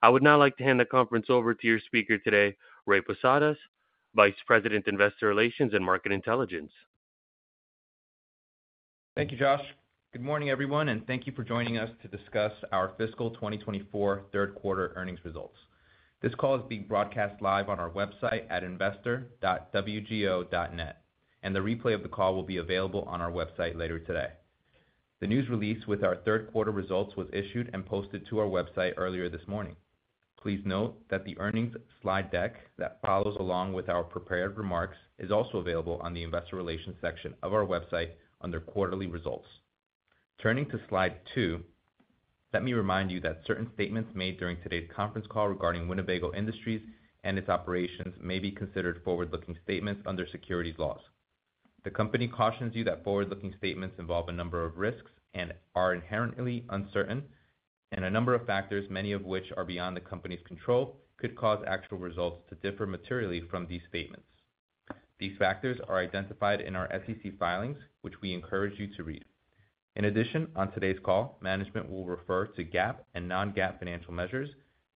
I would now like to hand the conference over to your speaker today, Ray Posadas, Vice President, Investor Relations and Market Intelligence. Thank you, Josh. Good morning, everyone, and thank you for joining us to discuss our fiscal 2024 third quarter earnings results. This call is being broadcast live on our website at investor.wgo.net, and the replay of the call will be available on our website later today. The news release with our third quarter results was issued and posted to our website earlier this morning. Please note that the earnings slide deck that follows along with our prepared remarks is also available on the Investor Relations section of our website under Quarterly Results. Turning to slide 2, let me remind you that certain statements made during today's conference call regarding Winnebago Industries and its operations may be considered forward-looking statements under securities laws. The company cautions you that forward-looking statements involve a number of risks and are inherently uncertain, and a number of factors, many of which are beyond the company's control, could cause actual results to differ materially from these statements. These factors are identified in our SEC filings, which we encourage you to read. In addition, on today's call, management will refer to GAAP and non-GAAP financial measures,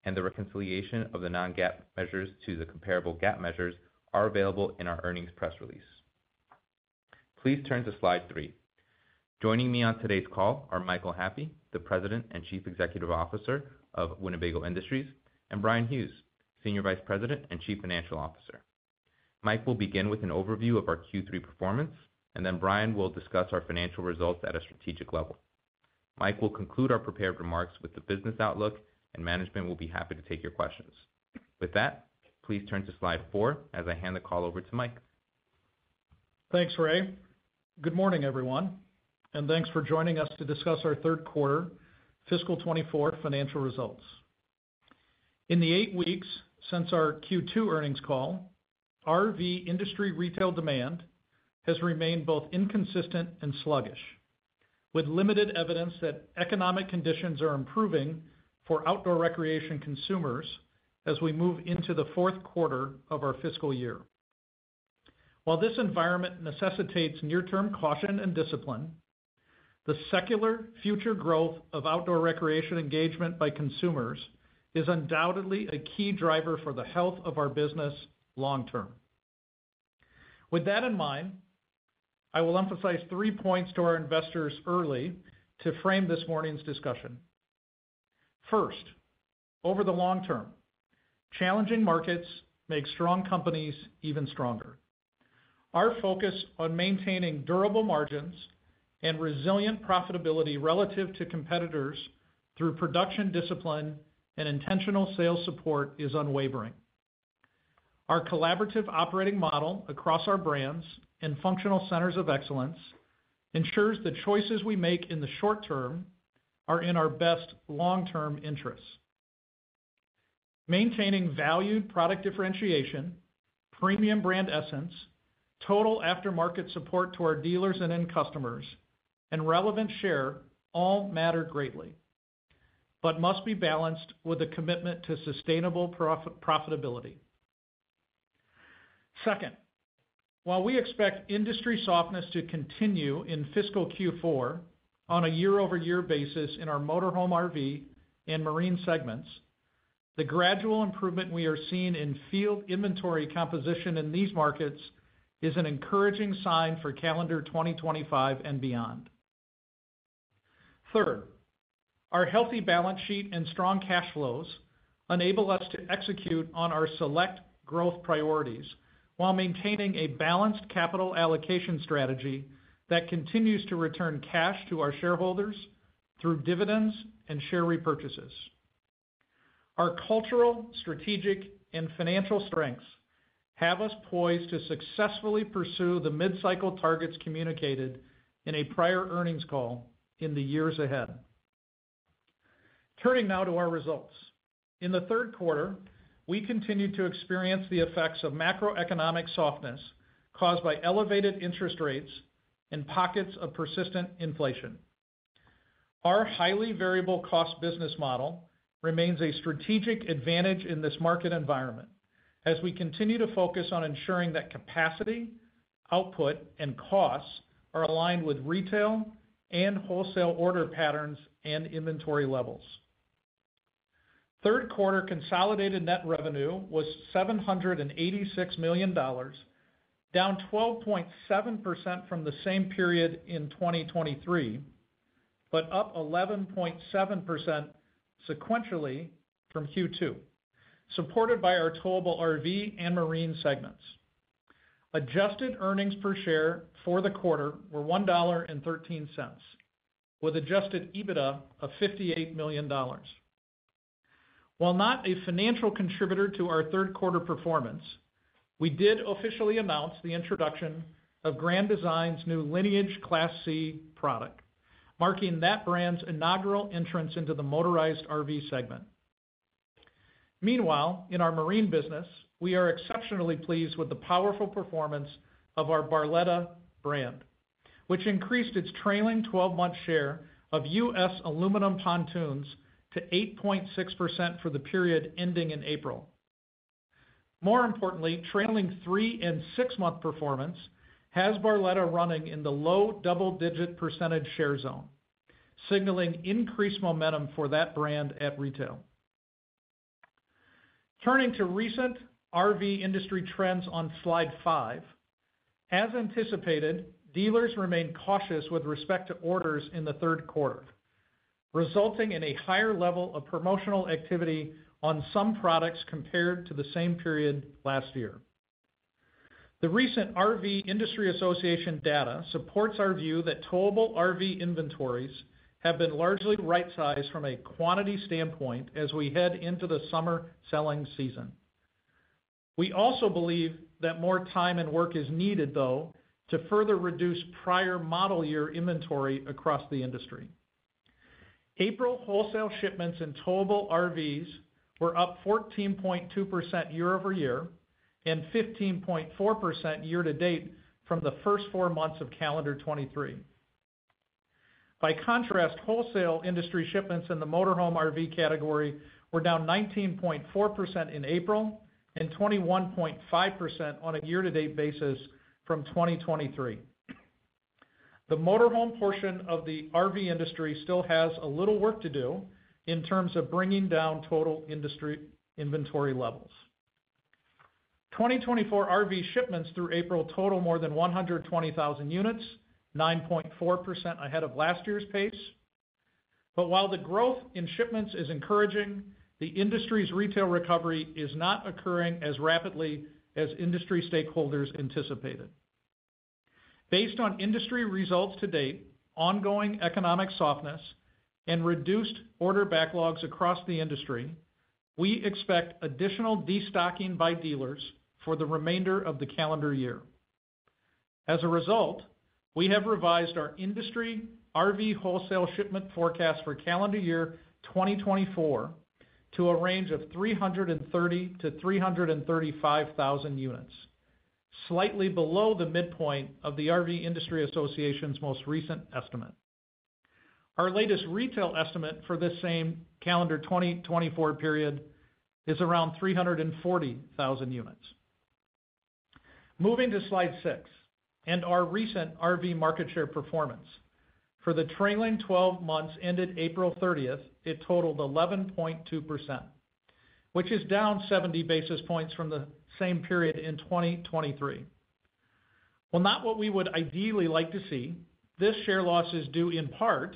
and the reconciliation of the non-GAAP measures to the comparable GAAP measures is available in our earnings press release. Please turn to slide 3. Joining me on today's call are Michael Happe, the President and Chief Executive Officer of Winnebago Industries, and Bryan Hughes, Senior Vice President and Chief Financial Officer. Mike will begin with an overview of our Q3 performance, and then Bryan will discuss our financial results at a strategic level. Mike will conclude our prepared remarks with the business outlook, and management will be happy to take your questions. With that, please turn to slide 4 as I hand the call over to Mike. Thanks, Ray. Good morning, everyone, and thanks for joining us to discuss our third quarter fiscal 2024 financial results. In the eight weeks since our Q2 earnings call, our RV industry retail demand has remained both inconsistent and sluggish, with limited evidence that economic conditions are improving for outdoor recreation consumers as we move into the fourth quarter of our fiscal year. While this environment necessitates near-term caution and discipline, the secular future growth of outdoor recreation engagement by consumers is undoubtedly a key driver for the health of our business long term. With that in mind, I will emphasize three points to our investors early to frame this morning's discussion. First, over the long term, challenging markets make strong companies even stronger. Our focus on maintaining durable margins and resilient profitability relative to competitors through production discipline and intentional sales support is unwavering. Our collaborative operating model across our brands and functional centers of excellence ensures the choices we make in the short term are in our best long-term interests. Maintaining valued product differentiation, premium brand essence, total aftermarket support to our dealers and end customers, and relevant share all matter greatly, but must be balanced with a commitment to sustainable profitability. Second, while we expect industry softness to continue in fiscal Q4 on a year-over-year basis in our motorhome RV and marine segments, the gradual improvement we are seeing in field inventory composition in these markets is an encouraging sign for calendar 2025 and beyond. Third, our healthy balance sheet and strong cash flows enable us to execute on our select growth priorities while maintaining a balanced capital allocation strategy that continues to return cash to our shareholders through dividends and share repurchases. Our cultural, strategic, and financial strengths have us poised to successfully pursue the mid-cycle targets communicated in a prior earnings call in the years ahead. Turning now to our results. In the third quarter, we continue to experience the effects of macroeconomic softness caused by elevated interest rates and pockets of persistent inflation. Our highly variable cost business model remains a strategic advantage in this market environment as we continue to focus on ensuring that capacity, output, and costs are aligned with retail and wholesale order patterns and inventory levels. Third quarter consolidated net revenue was $786 million, down 12.7% from the same period in 2023, but up 11.7% sequentially from Q2, supported by our towable RV and marine segments. Adjusted earnings per share for the quarter were $1.13, with Adjusted EBITDA of $58 million. While not a financial contributor to our third quarter performance, we did officially announce the introduction of Grand Design's new Lineage Class C product, marking that brand's inaugural entrance into the motorized RV segment. Meanwhile, in our marine business, we are exceptionally pleased with the powerful performance of our Barletta brand, which increased its trailing 12-month share of U.S. aluminum Pontoons to 8.6% for the period ending in April. More importantly, trailing 3- and 6-month performance has Barletta running in the low double-digit percentage share zone, signaling increased momentum for that brand at retail. Turning to recent RV industry trends on slide 5, as anticipated, dealers remain cautious with respect to orders in the third quarter, resulting in a higher level of promotional activity on some products compared to the same period last year. The recent RV Industry Association data supports our view that towable RV inventories have been largely right-sized from a quantity standpoint as we head into the summer selling season. We also believe that more time and work is needed, though, to further reduce prior model year inventory across the industry. April wholesale shipments in towable RVs were up 14.2% year-over-year and 15.4% year-to-date from the first four months of calendar 2023. By contrast, wholesale industry shipments in the motorhome RV category were down 19.4% in April and 21.5% on a year-to-date basis from 2023. The motorhome portion of the RV industry still has a little work to do in terms of bringing down total industry inventory levels. 2024 RV shipments through April totaled more than 120,000 units, 9.4% ahead of last year's pace. But while the growth in shipments is encouraging, the industry's retail recovery is not occurring as rapidly as industry stakeholders anticipated. Based on industry results to date, ongoing economic softness, and reduced order backlogs across the industry, we expect additional destocking by dealers for the remainder of the calendar year. As a result, we have revised our industry RV wholesale shipment forecast for calendar year 2024 to a range of 330,000 to 335,000 units, slightly below the midpoint of the RV Industry Association's most recent estimate. Our latest retail estimate for this same calendar 2024 period is around 340,000 units. Moving to slide 6 and our recent RV market share performance. For the trailing 12 months ended April 30th, it totaled 11.2%, which is down 70 basis points from the same period in 2023. Well, not what we would ideally like to see. This share loss is due in part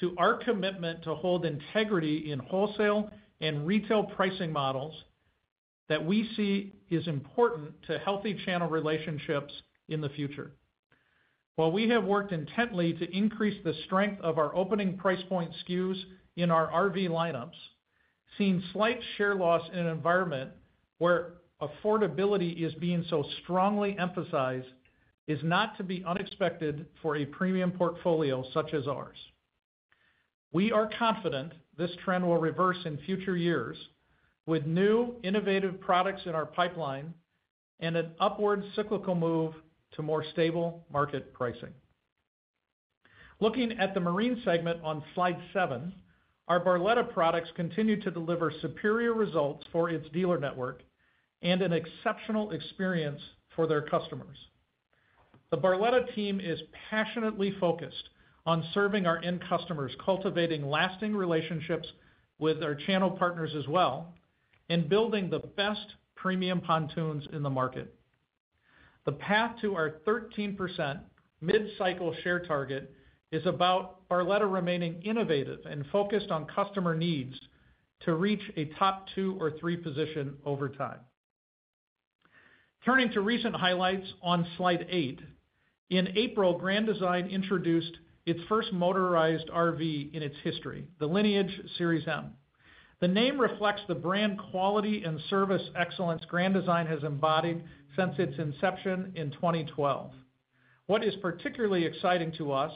to our commitment to hold integrity in wholesale and retail pricing models that we see is important to healthy channel relationships in the future. While we have worked intently to increase the strength of our opening price point SKUs in our RV lineups, seeing slight share loss in an environment where affordability is being so strongly emphasized is not to be unexpected for a premium portfolio such as ours. We are confident this trend will reverse in future years with new innovative products in our pipeline and an upward cyclical move to more stable market pricing. Looking at the marine segment on slide 7, our Barletta products continue to deliver superior results for its dealer network and an exceptional experience for their customers. The Barletta team is passionately focused on serving our end customers, cultivating lasting relationships with our channel partners as well, and building the best premium pontoons in the market. The path to our 13% mid-cycle share target is about Barletta remaining innovative and focused on customer needs to reach a top two or three position over time. Turning to recent highlights on slide 8, in April, Grand Design introduced its first motorized RV in its history, the Lineage Series M. The name reflects the brand quality and service excellence Grand Design has embodied since its inception in 2012. What is particularly exciting to us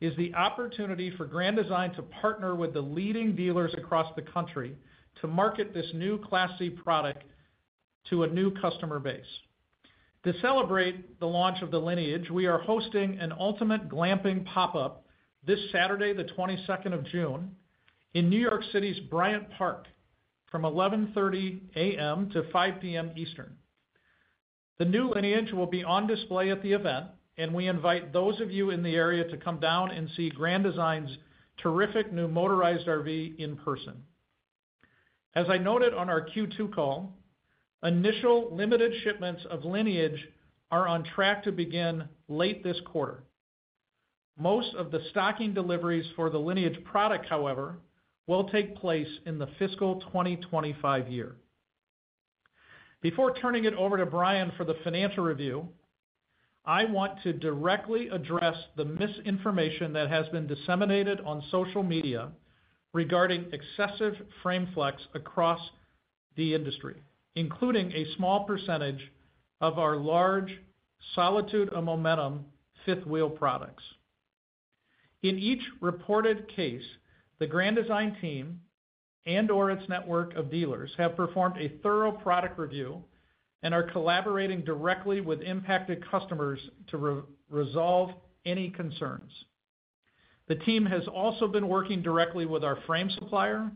is the opportunity for Grand Design to partner with the leading dealers across the country to market this new Class C product to a new customer base. To celebrate the launch of the Lineage, we are hosting an ultimate glamping pop-up this Saturday, the 22nd of June, in New York City's Bryant Park from 11:30 A.M. to 5:00 P.M. Eastern. The new Lineage will be on display at the event, and we invite those of you in the area to come down and see Grand Design's terrific new motorized RV in person. As I noted on our Q2 call, initial limited shipments of Lineage are on track to begin late this quarter. Most of the stocking deliveries for the Lineage product, however, will take place in the fiscal 2025 year. Before turning it over to Brian for the financial review, I want to directly address the misinformation that has been disseminated on social media regarding excessive frame flex across the industry, including a small percentage of our large Solitude and Momentum fifth wheel products. In each reported case, the Grand Design team and/or its network of dealers have performed a thorough product review and are collaborating directly with impacted customers to resolve any concerns. The team has also been working directly with our frame supplier,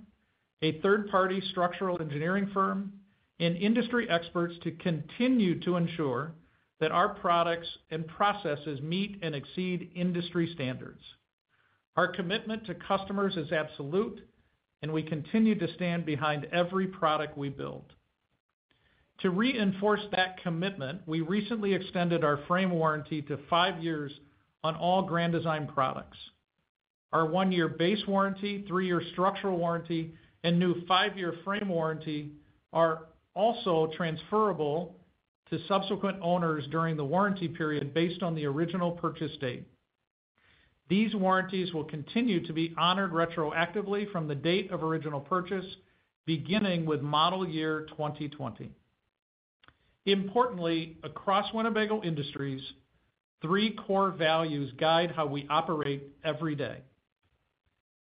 a third-party structural engineering firm, and industry experts to continue to ensure that our products and processes meet and exceed industry standards. Our commitment to customers is absolute, and we continue to stand behind every product we build. To reinforce that commitment, we recently extended our frame warranty to five years on all Grand Design products. Our one-year base warranty, three-year structural warranty, and new five-year frame warranty are also transferable to subsequent owners during the warranty period based on the original purchase date. These warranties will continue to be honored retroactively from the date of original purchase, beginning with model year 2020. Importantly, across Winnebago Industries, three core values guide how we operate every day: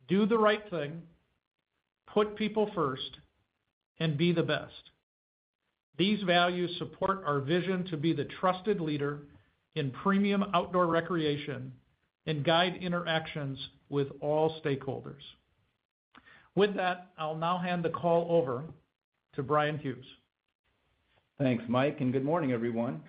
do the right thing, put people first, and be the best. These values support our vision to be the trusted leader in premium outdoor recreation and guide interactions with all stakeholders. With that, I'll now hand the call over to Brian Hughes. Thanks, Mike, and good morning, everyone.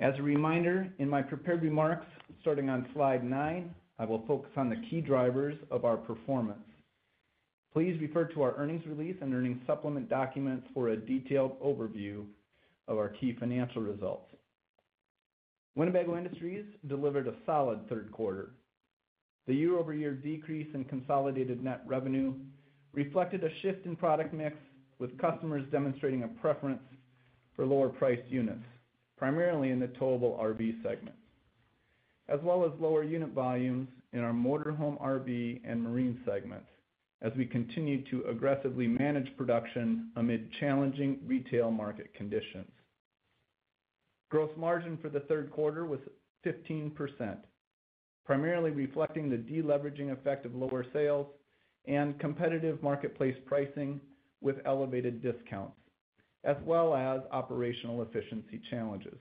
As a reminder, in my prepared remarks, starting on slide 9, I will focus on the key drivers of our performance. Please refer to our earnings release and earnings supplement documents for a detailed overview of our key financial results. Winnebago Industries delivered a solid third quarter. The year-over-year decrease in consolidated net revenue reflected a shift in product mix, with customers demonstrating a preference for lower-priced units, primarily in the towable RV segment, as well as lower unit volumes in our motorhome RV and marine segment as we continue to aggressively manage production amid challenging retail market conditions. Gross margin for the third quarter was 15%, primarily reflecting the deleveraging effect of lower sales and competitive marketplace pricing with elevated discounts, as well as operational efficiency challenges.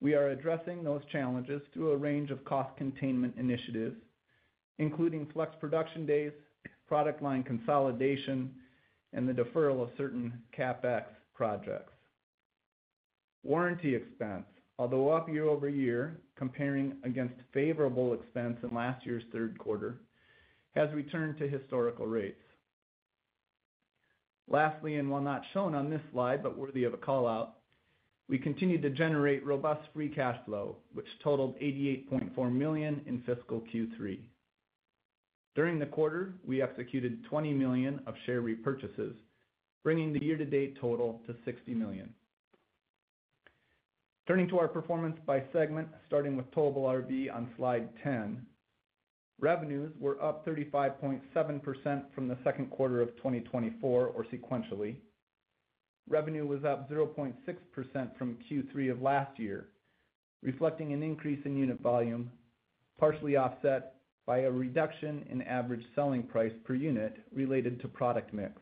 We are addressing those challenges through a range of cost containment initiatives, including flex production days, product line consolidation, and the deferral of certain CapEx projects. Warranty expense, although up year-over-year comparing against favorable expense in last year's third quarter, has returned to historical rates. Lastly, and while not shown on this slide, but worthy of a callout, we continue to generate robust free cash flow, which totaled $88.4 million in fiscal Q3. During the quarter, we executed $20 million of share repurchases, bringing the year-to-date total to $60 million. Turning to our performance by segment, starting with Towable RV on slide 10, revenues were up 35.7% from the second quarter of 2024, or sequentially. Revenue was up 0.6% from Q3 of last year, reflecting an increase in unit volume, partially offset by a reduction in average selling price per unit related to product mix.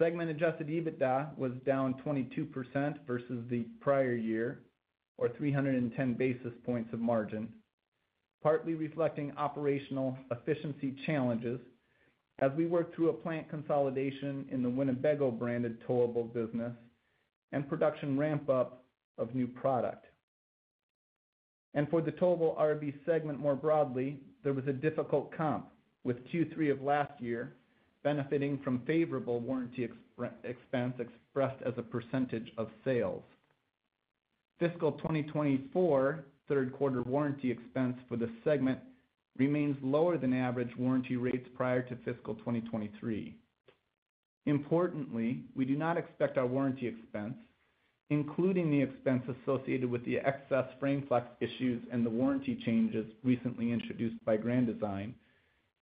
Segment-adjusted EBITDA was down 22% versus the prior year, or 310 basis points of margin, partly reflecting operational efficiency challenges as we worked through a plant consolidation in the Winnebago branded towable business and production ramp-up of new product. For the towable RV segment more broadly, there was a difficult comp with Q3 of last year benefiting from favorable warranty expense expressed as a percentage of sales. Fiscal 2024 third quarter warranty expense for the segment remains lower than average warranty rates prior to fiscal 2023. Importantly, we do not expect our warranty expense, including the expense associated with the excess frame flex issues and the warranty changes recently introduced by Grand Design,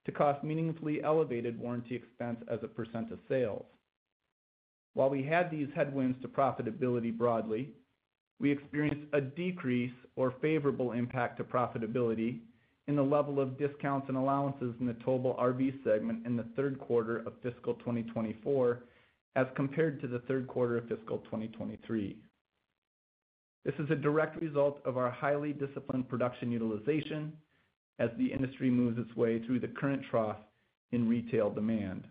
to cost meaningfully elevated warranty expense as a percent of sales. While we had these headwinds to profitability broadly, we experienced a decrease or favorable impact to profitability in the level of discounts and allowances in the towable RV segment in the third quarter of fiscal 2024 as compared to the third quarter of fiscal 2023. This is a direct result of our highly disciplined production utilization as the industry moves its way through the current trough in retail demand.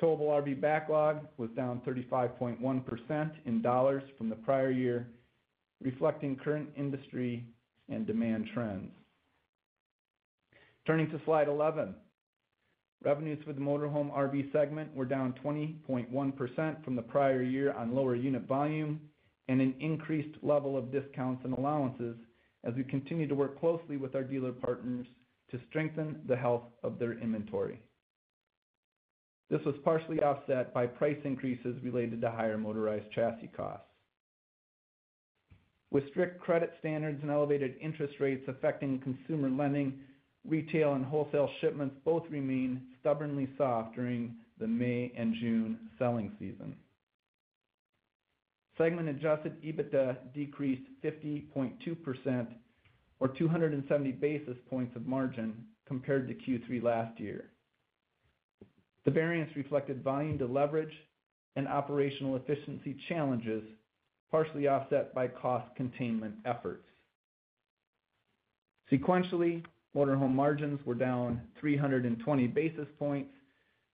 Towable RV backlog was down 35.1% in dollars from the prior year, reflecting current industry and demand trends. Turning to slide 11, revenues for the motorhome RV segment were down 20.1% from the prior year on lower unit volume and an increased level of discounts and allowances as we continue to work closely with our dealer partners to strengthen the health of their inventory. This was partially offset by price increases related to higher motorized chassis costs. With strict credit standards and elevated interest rates affecting consumer lending, retail and wholesale shipments both remained stubbornly soft during the May and June selling season. Segment-adjusted EBITDA decreased 50.2%, or 270 basis points of margin, compared to Q3 last year. The variance reflected volume deleverage and operational efficiency challenges partially offset by cost containment efforts. Sequentially, motorhome margins were down 320 basis points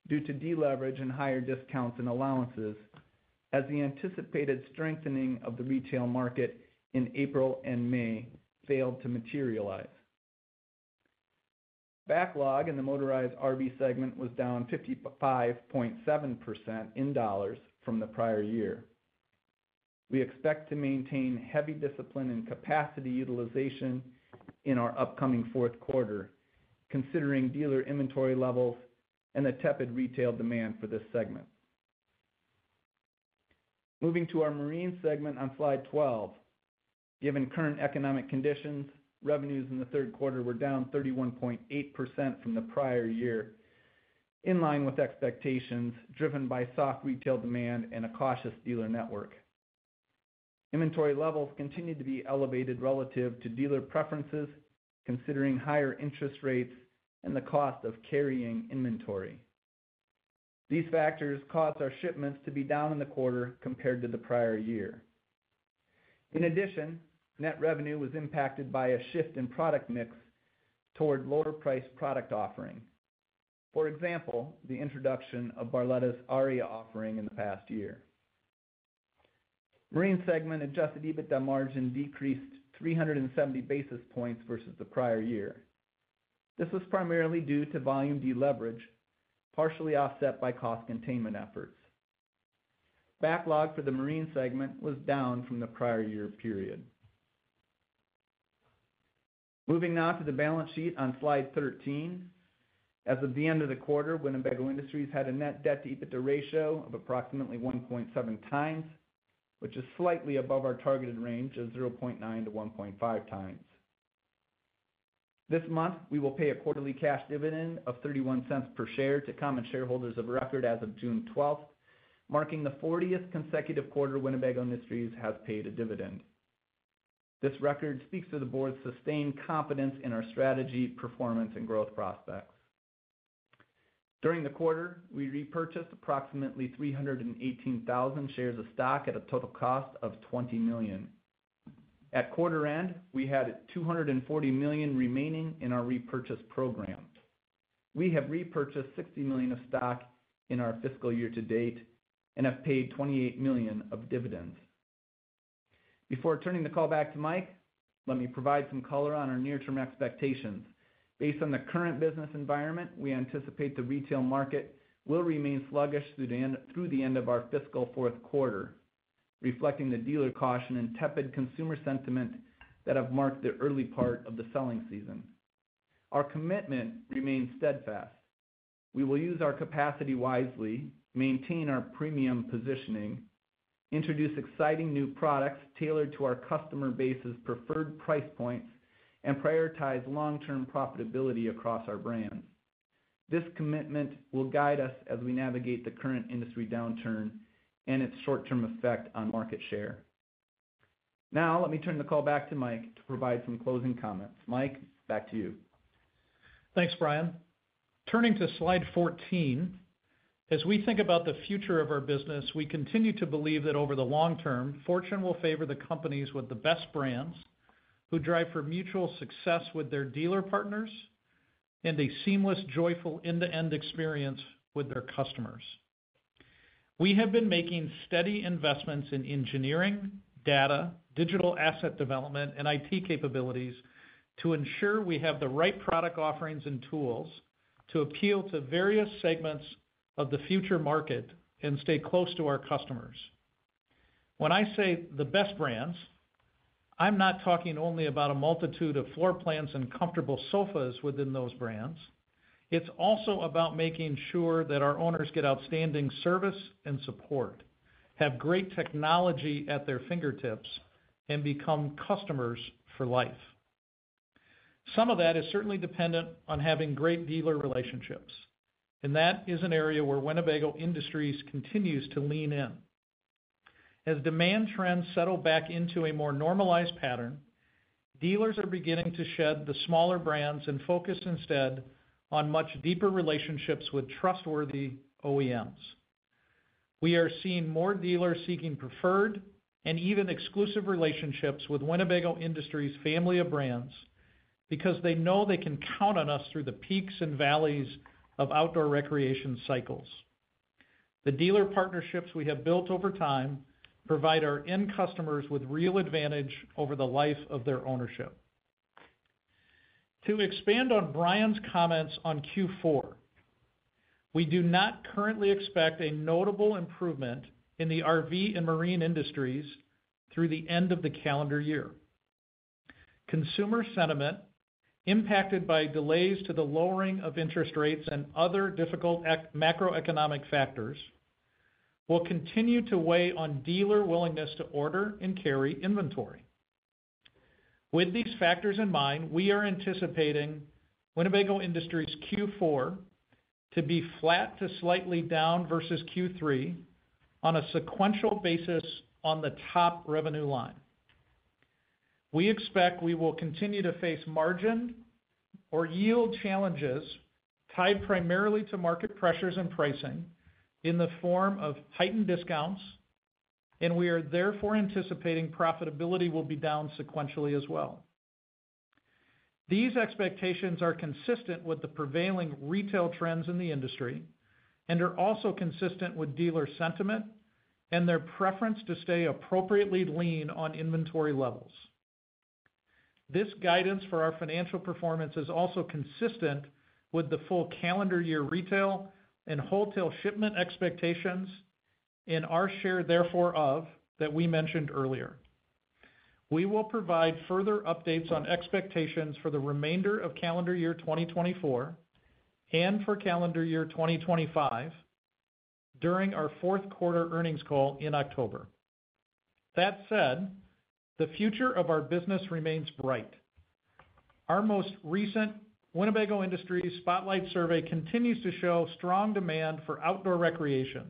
due to deleverage and higher discounts and allowances as the anticipated strengthening of the retail market in April and May failed to materialize. Backlog in the motorized RV segment was down 55.7% in dollars from the prior year. We expect to maintain heavy discipline and capacity utilization in our upcoming fourth quarter, considering dealer inventory levels and the tepid retail demand for this segment. Moving to our marine segment on slide 12, given current economic conditions, revenues in the third quarter were down 31.8% from the prior year, in line with expectations driven by soft retail demand and a cautious dealer network. Inventory levels continue to be elevated relative to dealer preferences, considering higher interest rates and the cost of carrying inventory. These factors caused our shipments to be down in the quarter compared to the prior year. In addition, net revenue was impacted by a shift in product mix toward lower-priced product offering. For example, the introduction of Barletta's Aria offering in the past year. Marine segment adjusted EBITDA margin decreased 370 basis points versus the prior year. This was primarily due to volume deleverage, partially offset by cost containment efforts. Backlog for the marine segment was down from the prior year period. Moving now to the balance sheet on slide 13. As of the end of the quarter, Winnebago Industries had a net debt-to-EBITDA ratio of approximately 1.7 times, which is slightly above our targeted range of 0.9 to 1.5 times. This month, we will pay a quarterly cash dividend of $0.31 per share to common shareholders of record as of June 12th, marking the 40th consecutive quarter Winnebago Industries has paid a dividend. This record speaks to the board's sustained confidence in our strategy, performance, and growth prospects. During the quarter, we repurchased approximately 318,000 shares of stock at a total cost of $20 million. At quarter end, we had $240 million remaining in our repurchase program. We have repurchased $60 million of stock in our fiscal year to date and have paid $28 million of dividends. Before turning the call back to Mike, let me provide some color on our near-term expectations. Based on the current business environment, we anticipate the retail market will remain sluggish through the end of our fiscal fourth quarter, reflecting the dealer caution and tepid consumer sentiment that have marked the early part of the selling season. Our commitment remains steadfast. We will use our capacity wisely, maintain our premium positioning, introduce exciting new products tailored to our customer base's preferred price points, and prioritize long-term profitability across our brands. This commitment will guide us as we navigate the current industry downturn and its short-term effect on market share. Now, let me turn the call back to Mike to provide some closing comments. Mike, back to you. Thanks, Brian. Turning to slide 14, as we think about the future of our business, we continue to believe that over the long term, fortune will favor the companies with the best brands who drive for mutual success with their dealer partners and a seamless, joyful end-to-end experience with their customers. We have been making steady investments in engineering, data, digital asset development, and IT capabilities to ensure we have the right product offerings and tools to appeal to various segments of the future market and stay close to our customers. When I say the best brands, I'm not talking only about a multitude of floor plans and comfortable sofas within those brands. It's also about making sure that our owners get outstanding service and support, have great technology at their fingertips, and become customers for life. Some of that is certainly dependent on having great dealer relationships. That is an area where Winnebago Industries continues to lean in. As demand trends settle back into a more normalized pattern, dealers are beginning to shed the smaller brands and focus instead on much deeper relationships with trustworthy OEMs. We are seeing more dealers seeking preferred and even exclusive relationships with Winnebago Industries' family of brands because they know they can count on us through the peaks and valleys of outdoor recreation cycles. The dealer partnerships we have built over time provide our end customers with real advantage over the life of their ownership. To expand on Brian's comments on Q4, we do not currently expect a notable improvement in the RV and marine industries through the end of the calendar year. Consumer sentiment, impacted by delays to the lowering of interest rates and other difficult macroeconomic factors, will continue to weigh on dealer willingness to order and carry inventory. With these factors in mind, we are anticipating Winnebago Industries' Q4 to be flat to slightly down versus Q3 on a sequential basis on the top revenue line. We expect we will continue to face margin or yield challenges tied primarily to market pressures and pricing in the form of heightened discounts, and we are therefore anticipating profitability will be down sequentially as well. These expectations are consistent with the prevailing retail trends in the industry and are also consistent with dealer sentiment and their preference to stay appropriately lean on inventory levels. This guidance for our financial performance is also consistent with the full calendar year retail and wholesale shipment expectations and our share, therefore, of that we mentioned earlier. We will provide further updates on expectations for the remainder of calendar year 2024 and for calendar year 2025 during our fourth quarter earnings call in October. That said, the future of our business remains bright. Our most recent Winnebago Industries Spotlight Survey continues to show strong demand for outdoor recreation,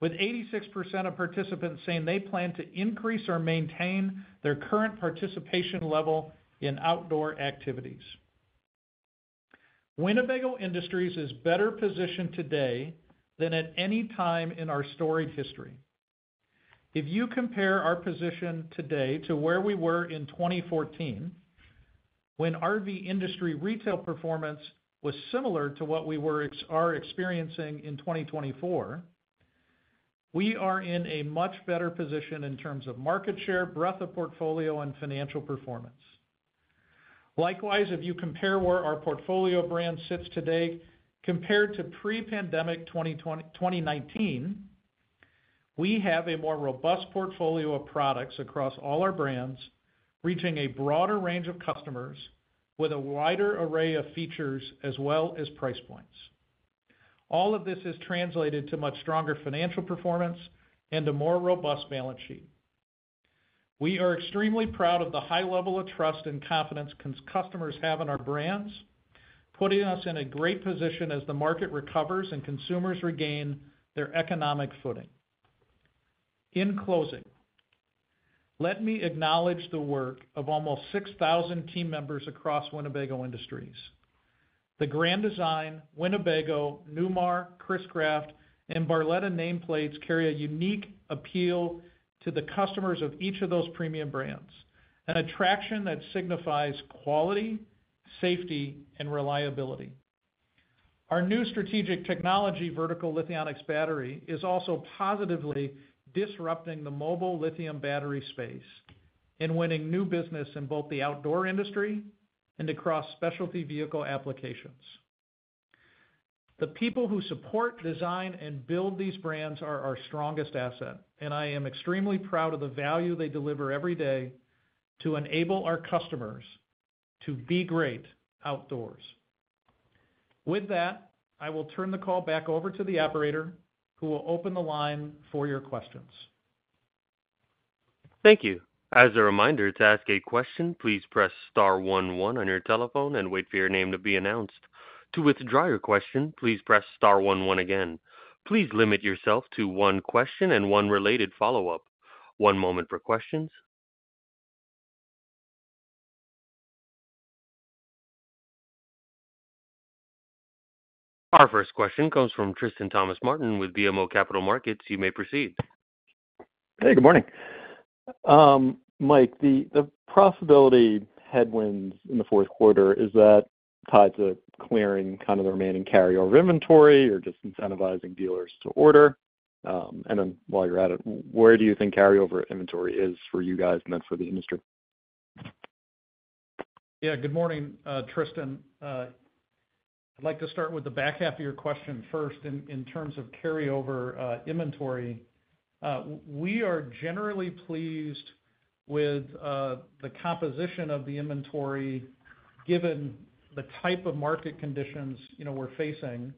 with 86% of participants saying they plan to increase or maintain their current participation level in outdoor activities. Winnebago Industries is better positioned today than at any time in our storied history. If you compare our position today to where we were in 2014, when RV industry retail performance was similar to what we were experiencing in 2024, we are in a much better position in terms of market share, breadth of portfolio, and financial performance. Likewise, if you compare where our portfolio brand sits today compared to pre-pandemic 2019, we have a more robust portfolio of products across all our brands, reaching a broader range of customers with a wider array of features as well as price points. All of this is translated to much stronger financial performance and a more robust balance sheet. We are extremely proud of the high level of trust and confidence customers have in our brands, putting us in a great position as the market recovers and consumers regain their economic footing. In closing, let me acknowledge the work of almost 6,000 team members across Winnebago Industries. The Grand Design, Winnebago, Newmar, Chris-Craft, and Barletta nameplates carry a unique appeal to the customers of each of those premium brands, an attraction that signifies quality, safety, and reliability. Our new strategic technology vertical, Lithionics Battery, is also positively disrupting the mobile lithium battery space and winning new business in both the outdoor industry and across specialty vehicle applications. The people who support, design, and build these brands are our strongest asset, and I am extremely proud of the value they deliver every day to enable our customers to be great outdoors. With that, I will turn the call back over to the operator, who will open the line for your questions. Thank you. As a reminder, to ask a question, please press star 11 on your telephone and wait for your name to be announced. To withdraw your question, please press star 11 again. Please limit yourself to one question and one related follow-up. One moment for questions. Our first question comes from Tristan Thomas-Martin with BMO Capital Markets. You may proceed. Hey, good morning. Mike, the profitability headwinds in the fourth quarter is that tied to clearing kind of the remaining carryover inventory or just incentivizing dealers to order? And then while you're at it, where do you think carryover inventory is for you guys and then for the industry? Yeah, good morning, Tristan. I'd like to start with the back half of your question first. In terms of carryover inventory, we are generally pleased with the composition of the inventory given the type of market conditions we're facing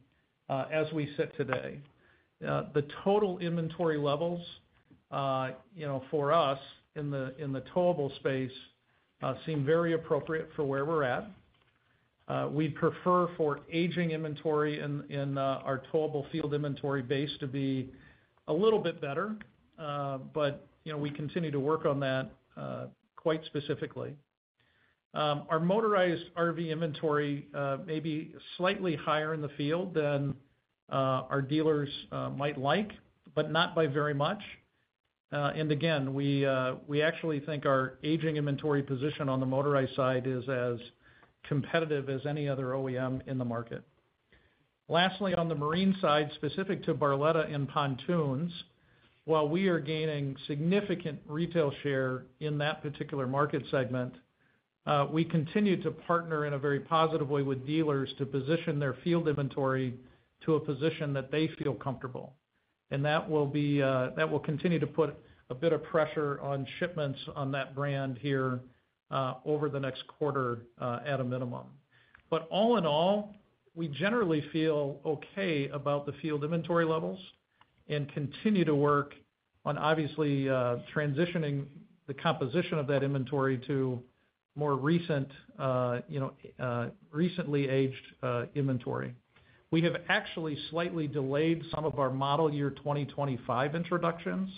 as we sit today. The total inventory levels for us in the towable space seem very appropriate for where we're at. We'd prefer for aging inventory in our towable field inventory base to be a little bit better, but we continue to work on that quite specifically. Our motorized RV inventory may be slightly higher in the field than our dealers might like, but not by very much. And again, we actually think our aging inventory position on the motorized side is as competitive as any other OEM in the market. Lastly, on the marine side, specific to Barletta and Pontoons, while we are gaining significant retail share in that particular market segment, we continue to partner in a very positive way with dealers to position their field inventory to a position that they feel comfortable. And that will continue to put a bit of pressure on shipments on that brand here over the next quarter at a minimum. But all in all, we generally feel okay about the field inventory levels and continue to work on obviously transitioning the composition of that inventory to more recently aged inventory. We have actually slightly delayed some of our model year 2025 introductions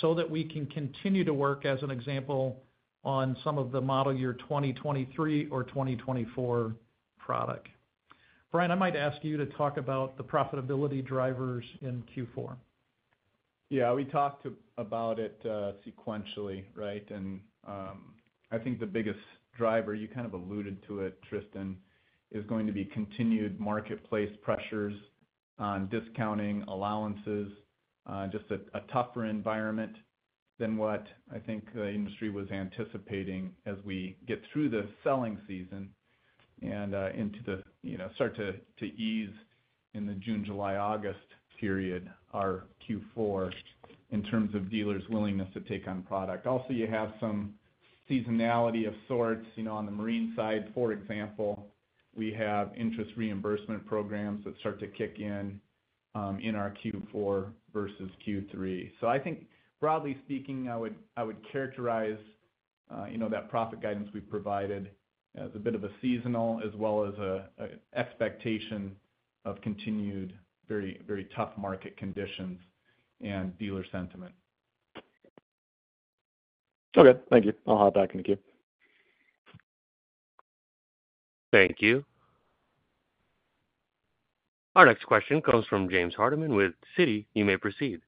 so that we can continue to work, as an example, on some of the model year 2023 or 2024 product. Brian, I might ask you to talk about the profitability drivers in Q4. Yeah, we talked about it sequentially, right? And I think the biggest driver, you kind of alluded to it, Tristan, is going to be continued marketplace pressures on discounting allowances, just a tougher environment than what I think the industry was anticipating as we get through the selling season and into the start to ease in the June, July, August period, our Q4 in terms of dealers' willingness to take on product. Also, you have some seasonality of sorts. On the marine side, for example, we have interest reimbursement programs that start to kick in in our Q4 versus Q3. So I think, broadly speaking, I would characterize that profit guidance we've provided as a bit of a seasonal as well as an expectation of continued very tough market conditions and dealer sentiment. Okay. Thank you. I'll hop back into Q. Thank you. Our next question comes from James Hardiman with Citi. You may proceed.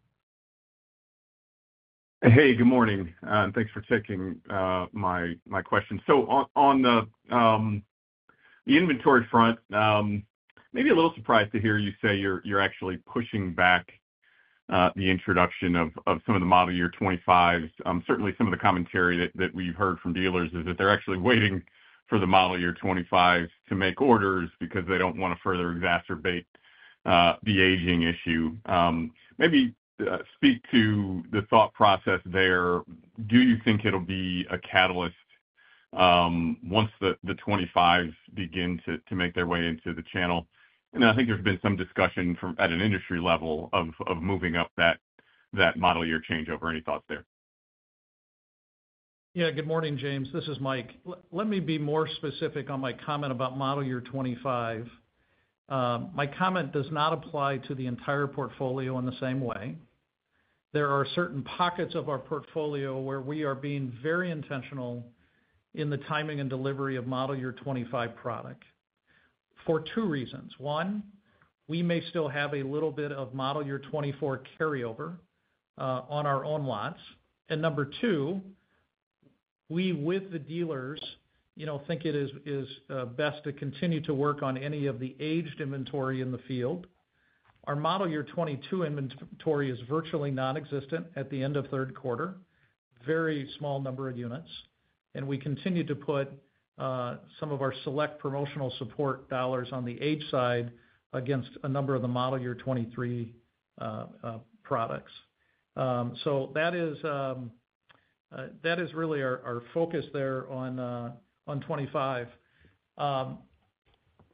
Hey, good morning. Thanks for taking my question. So on the inventory front, maybe a little surprised to hear you say you're actually pushing back the introduction of some of the model year 2025s. Certainly, some of the commentary that we've heard from dealers is that they're actually waiting for the model year 2025s to make orders because they don't want to further exacerbate the aging issue. Maybe speak to the thought process there. Do you think it'll be a catalyst once the 2025s begin to make their way into the channel? And I think there's been some discussion at an industry level of moving up that model year changeover. Any thoughts there? Yeah, good morning, James. This is Mike. Let me be more specific on my comment about model year 2025. My comment does not apply to the entire portfolio in the same way. There are certain pockets of our portfolio where we are being very intentional in the timing and delivery of model year 2025 product for 2 reasons. 1, we may still have a little bit of model year 2024 carryover on our own lots. And number 2, we with the dealers think it is best to continue to work on any of the aged inventory in the field. Our model year 2022 inventory is virtually nonexistent at the end of third quarter, very small number of units. And we continue to put some of our select promotional support dollars on the age side against a number of the model year 2023 products. That is really our focus there on 25.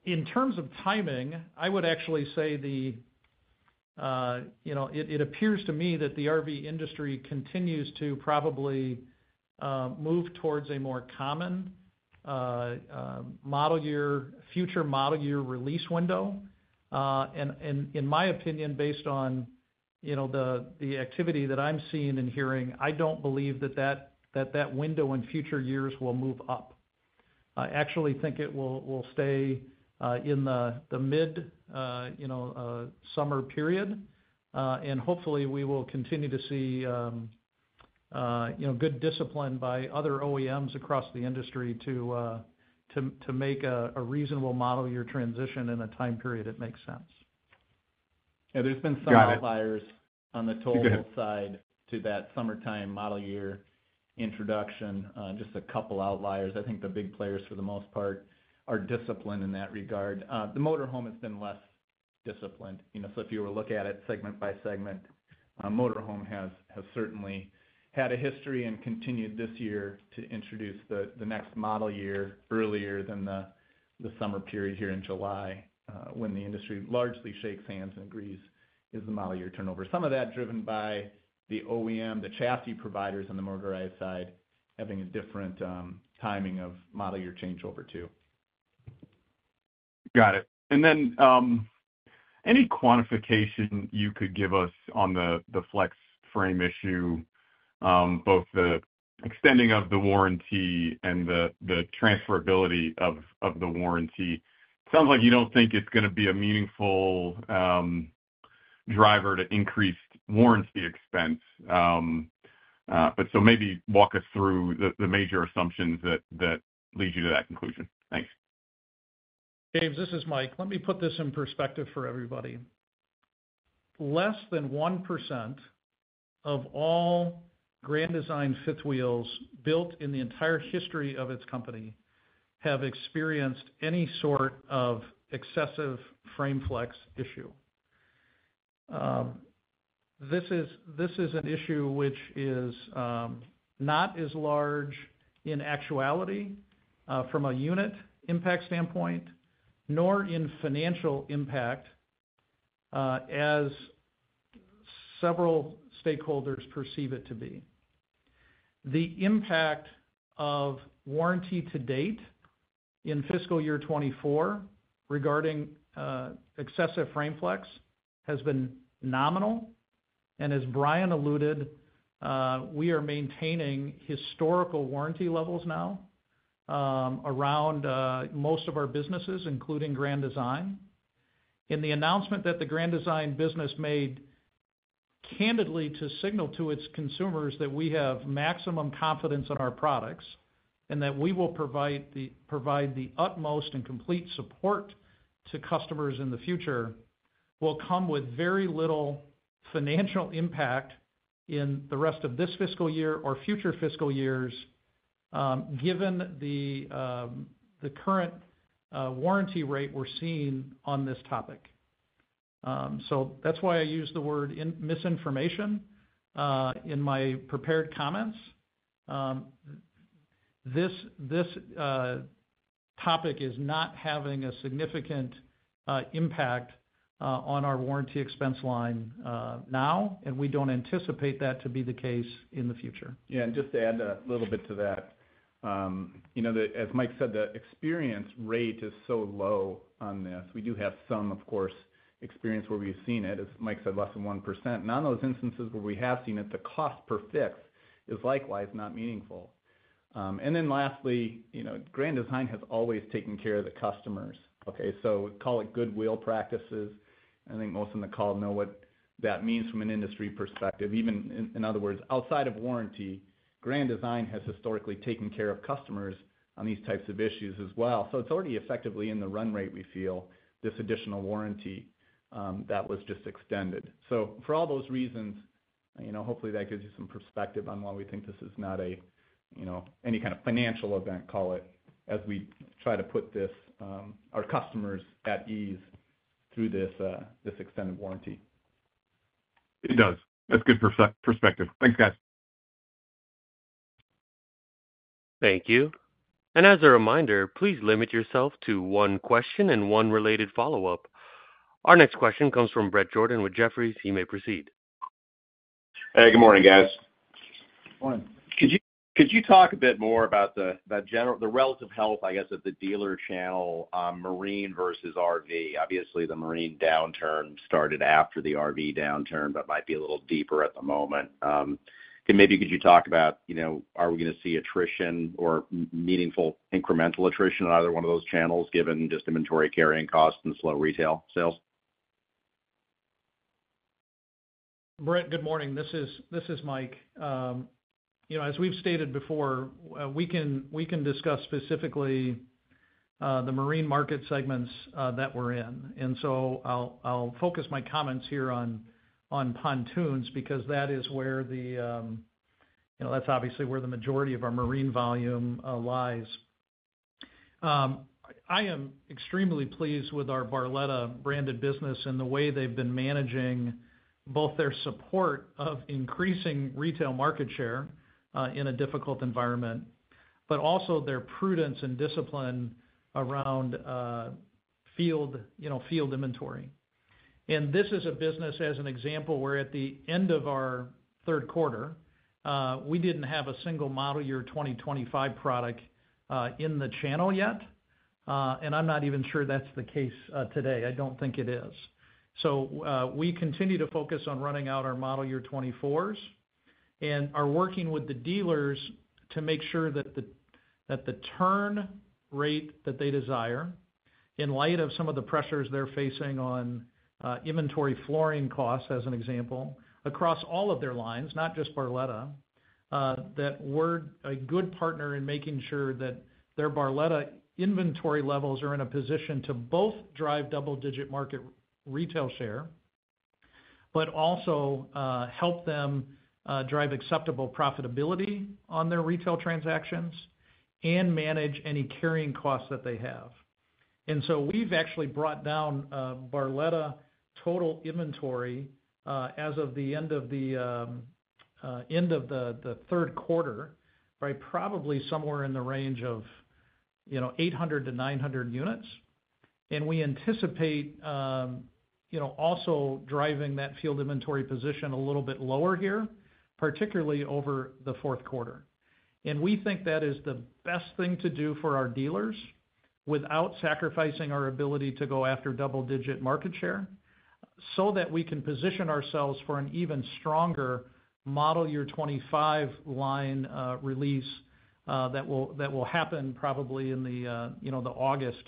In terms of timing, I would actually say it appears to me that the RV industry continues to probably move towards a more common model year, future model year release window. In my opinion, based on the activity that I'm seeing and hearing, I don't believe that that window in future years will move up. I actually think it will stay in the mid-summer period. Hopefully, we will continue to see good discipline by other OEMs across the industry to make a reasonable model year transition in a time period that makes sense. Yeah, there's been some outliers on the towable side to that summertime model year introduction. Just a couple of outliers. I think the big players for the most part are disciplined in that regard. The motor home has been less disciplined. So if you were to look at it segment by segment, motor home has certainly had a history and continued this year to introduce the next model year earlier than the summer period here in July when the industry largely shakes hands and agrees is the model year turnover. Some of that driven by the OEM, the chassis providers on the motorized side having a different timing of model year changeover too. Got it. And then any quantification you could give us on the frame flex issue, both the extending of the warranty and the transferability of the warranty? It sounds like you don't think it's going to be a meaningful driver to increase warranty expense. But so maybe walk us through the major assumptions that lead you to that conclusion. Thanks. James, this is Mike. Let me put this in perspective for everybody. Less than 1% of all Grand Design fifth wheels built in the entire history of its company have experienced any sort of excessive frame flex issue. This is an issue which is not as large in actuality from a unit impact standpoint, nor in financial impact as several stakeholders perceive it to be. The impact of warranty to date in fiscal year 2024 regarding excessive frame flex has been nominal. As Brian alluded, we are maintaining historical warranty levels now around most of our businesses, including Grand Design. The announcement that the Grand Design business made candidly to signal to its consumers that we have maximum confidence in our products and that we will provide the utmost and complete support to customers in the future will come with very little financial impact in the rest of this fiscal year or future fiscal years given the current warranty rate we're seeing on this topic. So that's why I use the word misinformation in my prepared comments. This topic is not having a significant impact on our warranty expense line now, and we don't anticipate that to be the case in the future. Yeah, and just to add a little bit to that, as Mike said, the experience rate is so low on this. We do have some, of course, experience where we've seen it, as Mike said, less than 1%. And on those instances where we have seen it, the cost per fix is likewise not meaningful. And then lastly, Grand Design has always taken care of the customers. Okay, so call it goodwill practices. I think most in the call know what that means from an industry perspective. Even in other words, outside of warranty, Grand Design has historically taken care of customers on these types of issues as well. So it's already effectively in the run rate, we feel, this additional warranty that was just extended. So for all those reasons, hopefully that gives you some perspective on why we think this is not any kind of financial event, call it, as we try to put our customers at ease through this extended warranty. It does. That's good perspective. Thanks, guys. Thank you. As a reminder, please limit yourself to one question and one related follow-up. Our next question comes from Bret Jordan with Jefferies. He may proceed. Hey, good morning, guys. Good morning. Could you talk a bit more about the relative health, I guess, of the dealer channel, marine versus RV? Obviously, the marine downturn started after the RV downturn, but might be a little deeper at the moment. Maybe could you talk about, are we going to see attrition or meaningful incremental attrition on either one of those channels given just inventory carrying costs and slow retail sales? Brett, good morning. This is Mike. As we've stated before, we can discuss specifically the marine market segments that we're in. So I'll focus my comments here on Pontoons because that is where that's obviously where the majority of our marine volume lies. I am extremely pleased with our Barletta branded business and the way they've been managing both their support of increasing retail market share in a difficult environment, but also their prudence and discipline around field inventory. This is a business, as an example, we're at the end of our third quarter. We didn't have a single model year 2025 product in the channel yet. And I'm not even sure that's the case today. I don't think it is. So we continue to focus on running out our model year 2024s and are working with the dealers to make sure that the turn rate that they desire, in light of some of the pressures they're facing on inventory flooring costs, as an example, across all of their lines, not just Barletta, that we're a good partner in making sure that their Barletta inventory levels are in a position to both drive double-digit market retail share, but also help them drive acceptable profitability on their retail transactions and manage any carrying costs that they have. So we've actually brought down Barletta total inventory as of the end of the third quarter by probably somewhere in the range of 800-900 units. We anticipate also driving that field inventory position a little bit lower here, particularly over the fourth quarter. We think that is the best thing to do for our dealers without sacrificing our ability to go after double-digit market share so that we can position ourselves for an even stronger model year 2025 line release that will happen probably in the August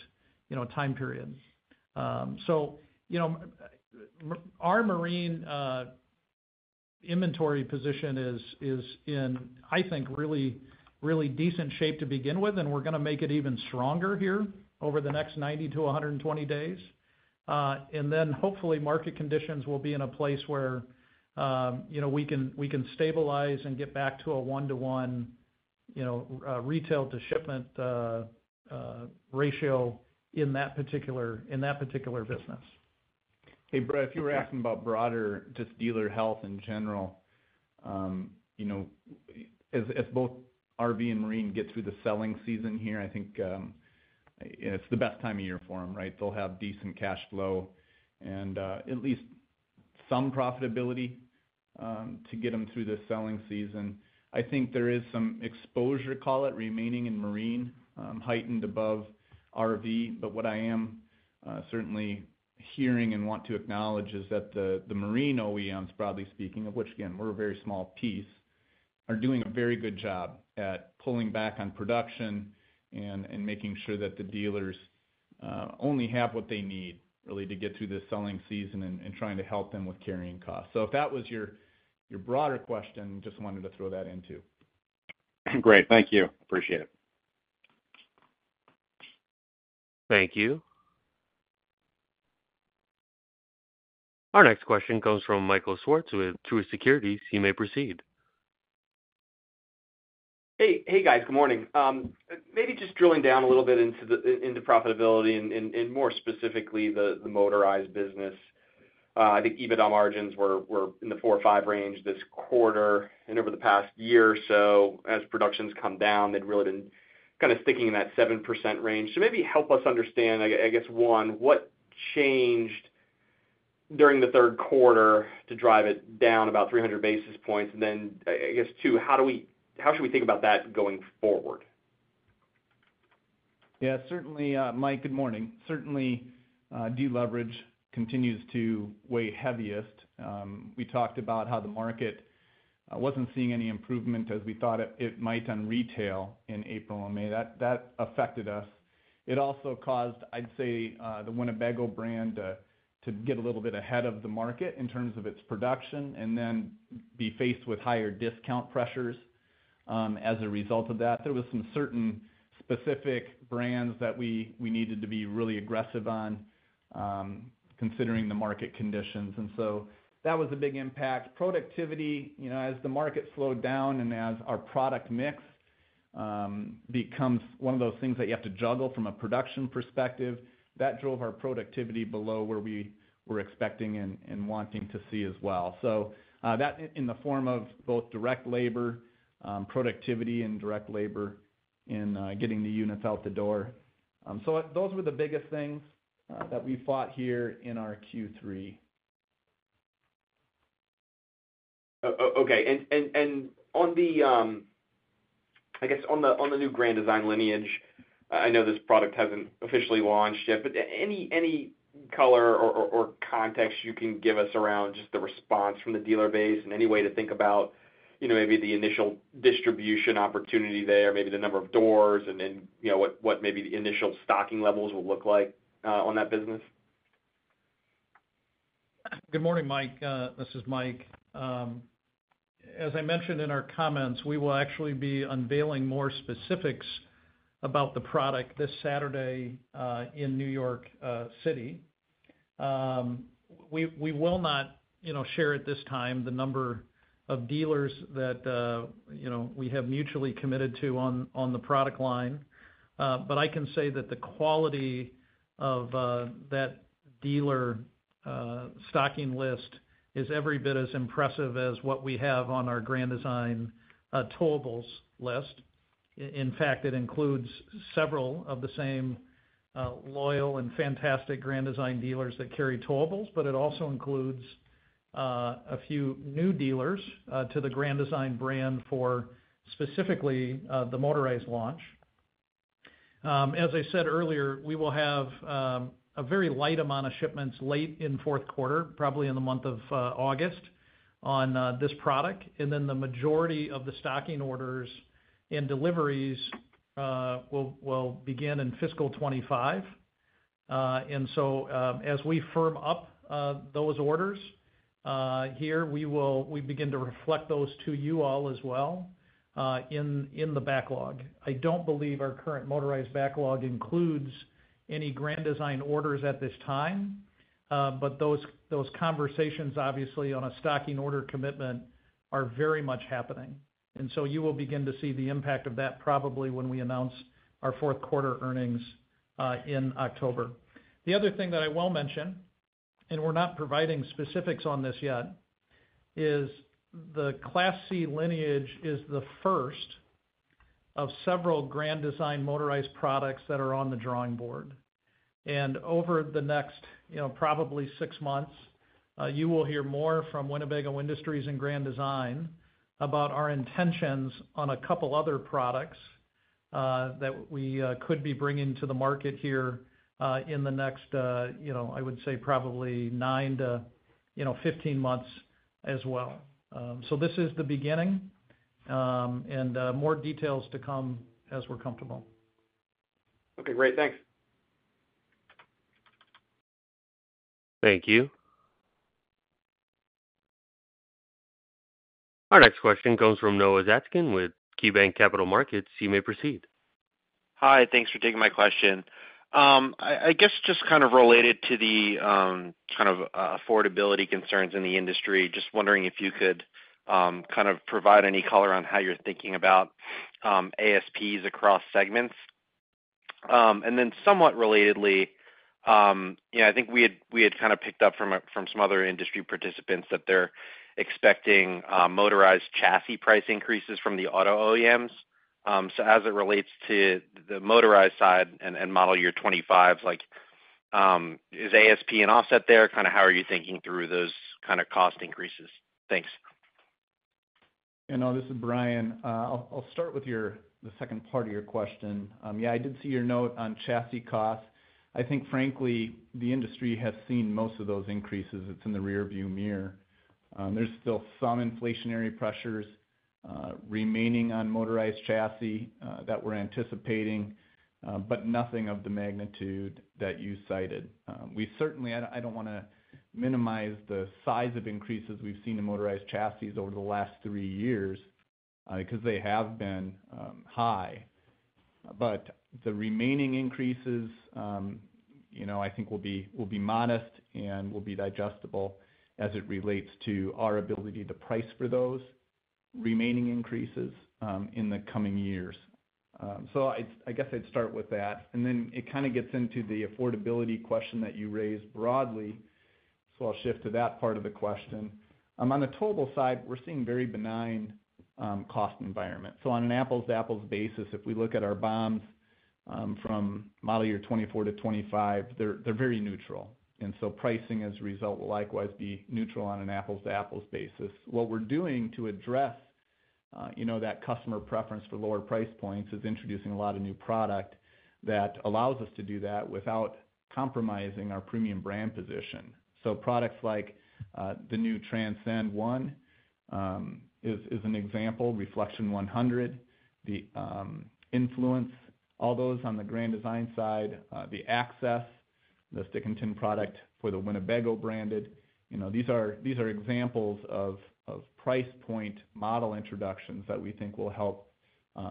time period. Our marine inventory position is in, I think, really decent shape to begin with, and we're going to make it even stronger here over the next 90-120 days. Then hopefully, market conditions will be in a place where we can stabilize and get back to a 1-to-1 retail-to-shipment ratio in that particular business. Hey, Brett, if you were asking about broader just dealer health in general, as both RV and marine get through the selling season here, I think it's the best time of year for them, right? They'll have decent cash flow and at least some profitability to get them through the selling season. I think there is some exposure, call it, remaining in marine heightened above RV. But what I am certainly hearing and want to acknowledge is that the marine OEMs, broadly speaking, of which, again, we're a very small piece, are doing a very good job at pulling back on production and making sure that the dealers only have what they need really to get through the selling season and trying to help them with carrying costs. So if that was your broader question, just wanted to throw that into. Great. Thank you. Appreciate it. Thank you. Our next question comes from Michael Swartz with Truist Securities. He may proceed. Hey, guys. Good morning. Maybe just drilling down a little bit into profitability and more specifically the motorized business. I think EBITDA margins were in the 4 or 5 range this quarter. And over the past year or so, as productions come down, they've really been kind of sticking in that 7% range. So maybe help us understand, I guess, one, what changed during the third quarter to drive it down about 300 basis points? And then, I guess, two, how should we think about that going forward? Yeah, certainly, Mike, good morning. Certainly, deleveraging continues to weigh heaviest. We talked about how the market wasn't seeing any improvement as we thought it might on retail in April and May. That affected us. It also caused, I'd say, the Winnebago brand to get a little bit ahead of the market in terms of its production and then be faced with higher discount pressures as a result of that. There were some certain specific brands that we needed to be really aggressive on considering the market conditions. And so that was a big impact. Productivity, as the market slowed down and as our product mix becomes one of those things that you have to juggle from a production perspective, that drove our productivity below where we were expecting and wanting to see as well. So that in the form of both direct labor, productivity, and direct labor in getting the units out the door. Those were the biggest things that we fought here in our Q3. Okay. And I guess on the new Grand Design Lineage, I know this product hasn't officially launched yet, but any color or context you can give us around just the response from the dealer base and any way to think about maybe the initial distribution opportunity there, maybe the number of doors and what maybe the initial stocking levels will look like on that business? Good morning, Mike. This is Mike. As I mentioned in our comments, we will actually be unveiling more specifics about the product this Saturday in New York City. We will not share at this time the number of dealers that we have mutually committed to on the product line. But I can say that the quality of that dealer stocking list is every bit as impressive as what we have on our Grand Design towables list. In fact, it includes several of the same loyal and fantastic Grand Design dealers that carry towables, but it also includes a few new dealers to the Grand Design brand for specifically the motorized launch. As I said earlier, we will have a very light amount of shipments late in fourth quarter, probably in the month of August, on this product. Then the majority of the stocking orders and deliveries will begin in fiscal 2025. As we firm up those orders here, we begin to reflect those to you all as well in the backlog. I don't believe our current motorized backlog includes any Grand Design orders at this time, but those conversations, obviously, on a stocking order commitment are very much happening. You will begin to see the impact of that probably when we announce our fourth quarter earnings in October. The other thing that I will mention, and we're not providing specifics on this yet, is the Class C Lineage is the first of several Grand Design motorized products that are on the drawing board. Over the next probably 6 months, you will hear more from Winnebago Industries and Grand Design about our intentions on a couple of other products that we could be bringing to the market here in the next, I would say, probably 9-15 months as well. This is the beginning, and more details to come as we're comfortable. Okay. Great. Thanks. Thank you. Our next question comes from Noah Zatzkin with KeyBanc Capital Markets. He may proceed. Hi. Thanks for taking my question. I guess just kind of related to the kind of affordability concerns in the industry, just wondering if you could kind of provide any color on how you're thinking about ASPs across segments. Then somewhat relatedly, I think we had kind of picked up from some other industry participants that they're expecting motorized chassis price increases from the auto OEMs. As it relates to the motorized side and model year 2025s, is ASP an offset there? Kind of how are you thinking through those kind of cost increases? Thanks. This is Brian. I'll start with the second part of your question. Yeah, I did see your note on chassis costs. I think, frankly, the industry has seen most of those increases. It's in the rearview mirror. There's still some inflationary pressures remaining on motorized chassis that we're anticipating, but nothing of the magnitude that you cited. I don't want to minimize the size of increases we've seen in motorized chassis over the last three years because they have been high. But the remaining increases, I think, will be modest and will be digestible as it relates to our ability to price for those remaining increases in the coming years. So I guess I'd start with that. And then it kind of gets into the affordability question that you raised broadly. So I'll shift to that part of the question. On the towable side, we're seeing a very benign cost environment. So on an apples-to-apples basis, if we look at our BOMs from model year 2024 to 2025, they're very neutral. And so pricing, as a result, will likewise be neutral on an apples-to-apples basis. What we're doing to address that customer preference for lower price points is introducing a lot of new product that allows us to do that without compromising our premium brand position. So products like the new Transcend One is an example, Reflection 100, the Influence, all those on the Grand Design side, the Access, the stick-and-tin product for the Winnebago branded. These are examples of price point model introductions that we think will help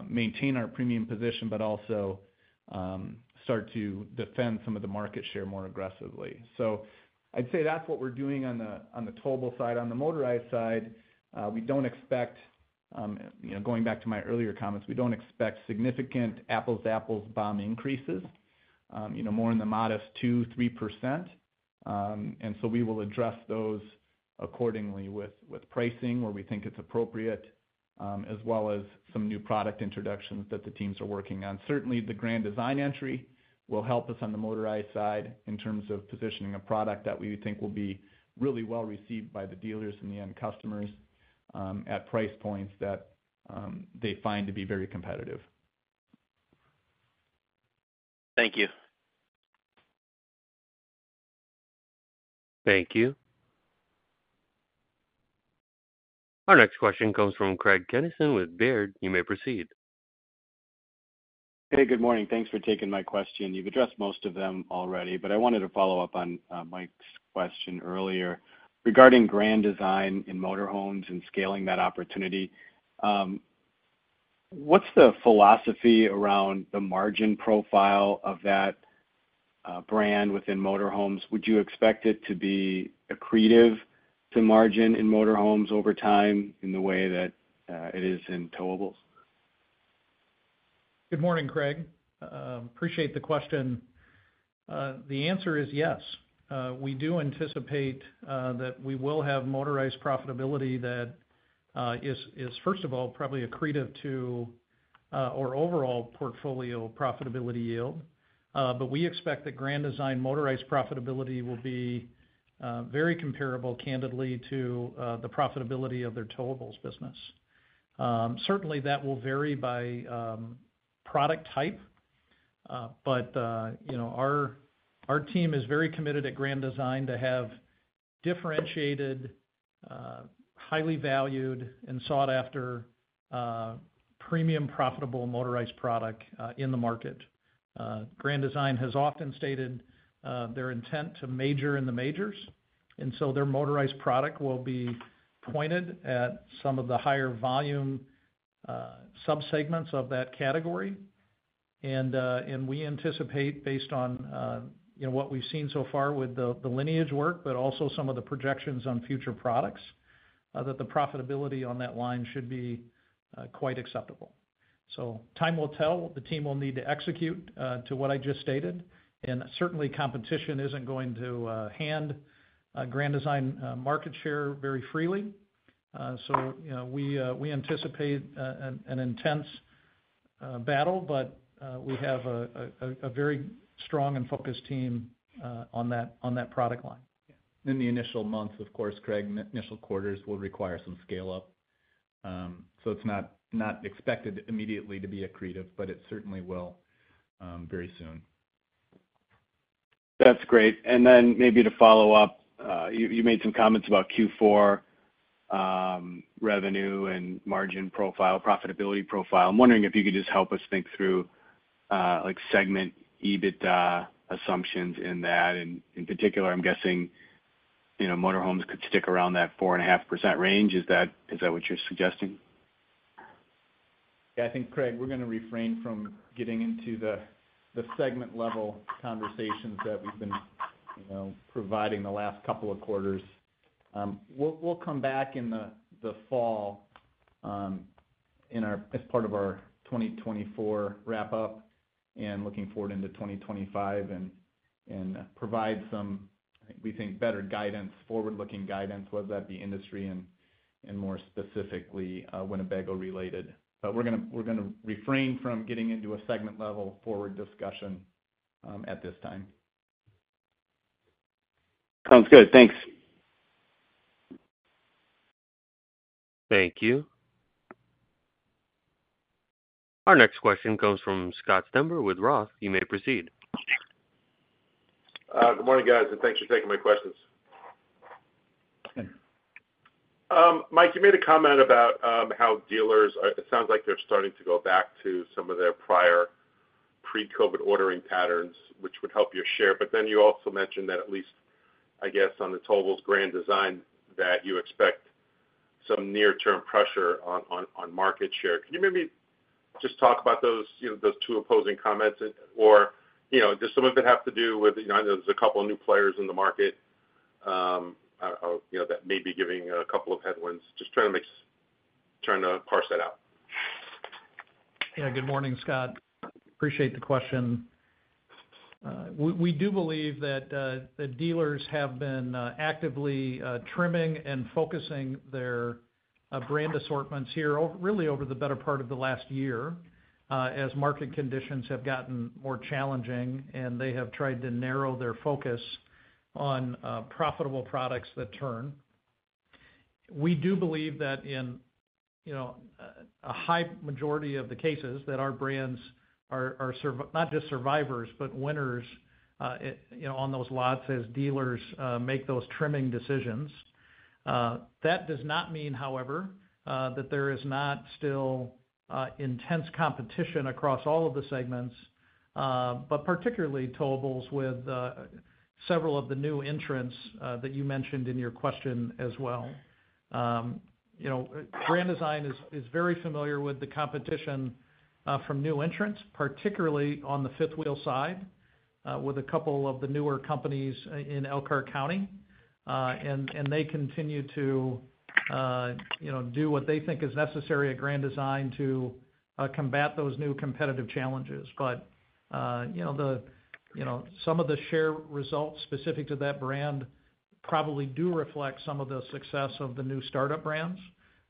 maintain our premium position, but also start to defend some of the market share more aggressively. So I'd say that's what we're doing on the towable side. On the motorized side, we don't expect, going back to my earlier comments, significant apples-to-apples BOM increases, more in the modest 2%-3%. So we will address those accordingly with pricing where we think it's appropriate, as well as some new product introductions that the teams are working on. Certainly, the Grand Design entry will help us on the motorized side in terms of positioning a product that we think will be really well received by the dealers and the end customers at price points that they find to be very competitive. Thank you. Thank you. Our next question comes from Craig Kennison with Baird. You may proceed. Hey, good morning. Thanks for taking my question. You've addressed most of them already, but I wanted to follow up on Mike's question earlier regarding Grand Design in motor homes and scaling that opportunity. What's the philosophy around the margin profile of that brand within motor homes? Would you expect it to be accretive to margin in motor homes over time in the way that it is in towables? Good morning, Craig. Appreciate the question. The answer is yes. We do anticipate that we will have motorized profitability that is, first of all, probably accretive to our overall portfolio profitability yield. But we expect that Grand Design motorized profitability will be very comparable, candidly, to the profitability of their towables business. Certainly, that will vary by product type. But our team is very committed at Grand Design to have differentiated, highly valued, and sought-after premium profitable motorized product in the market. Grand Design has often stated their intent to major in the majors. And so their motorized product will be pointed at some of the higher volume subsegments of that category. And we anticipate, based on what we've seen so far with the Lineage work, but also some of the projections on future products, that the profitability on that line should be quite acceptable. So time will tell. The team will need to execute to what I just stated. Certainly, competition isn't going to hand Grand Design market share very freely. We anticipate an intense battle, but we have a very strong and focused team on that product line. In the initial months, of course, Craig, initial quarters will require some scale-up. So it's not expected immediately to be accretive, but it certainly will very soon. That's great. Then maybe to follow up, you made some comments about Q4 revenue and margin profile, profitability profile. I'm wondering if you could just help us think through segment EBITDA assumptions in that. In particular, I'm guessing motor homes could stick around that 4.5% range. Is that what you're suggesting? Yeah, I think, Craig, we're going to refrain from getting into the segment-level conversations that we've been providing the last couple of quarters. We'll come back in the fall as part of our 2024 wrap-up and looking forward into 2025 and provide some, we think, better guidance, forward-looking guidance, whether that be industry and more specifically Winnebago related. But we're going to refrain from getting into a segment-level forward discussion at this time. Sounds good. Thanks. Thank you. Our next question comes from Scott Stember with Roth. You may proceed. Good morning, guys. Thanks for taking my questions. Thanks. Mike, you made a comment about how dealers—it sounds like they're starting to go back to some of their prior pre-COVID ordering patterns, which would help your share. But then you also mentioned that at least, I guess, on the towables Grand Design, that you expect some near-term pressure on market share. Can you maybe just talk about those two opposing comments? Or does some of it have to do with—there's a couple of new players in the market that may be giving a couple of headwinds? Just trying to parse that out. Yeah. Good morning, Scott. Appreciate the question. We do believe that the dealers have been actively trimming and focusing their brand assortments here really over the better part of the last year as market conditions have gotten more challenging, and they have tried to narrow their focus on profitable products that turn. We do believe that in a high majority of the cases, that our brands are not just survivors, but winners on those lots as dealers make those trimming decisions. That does not mean, however, that there is not still intense competition across all of the segments, but particularly towables with several of the new entrants that you mentioned in your question as well. Grand Design is very familiar with the competition from new entrants, particularly on the fifth-wheel side, with a couple of the newer companies in Elkhart County. They continue to do what they think is necessary at Grand Design to combat those new competitive challenges. Some of the share results specific to that brand probably do reflect some of the success of the new startup brands.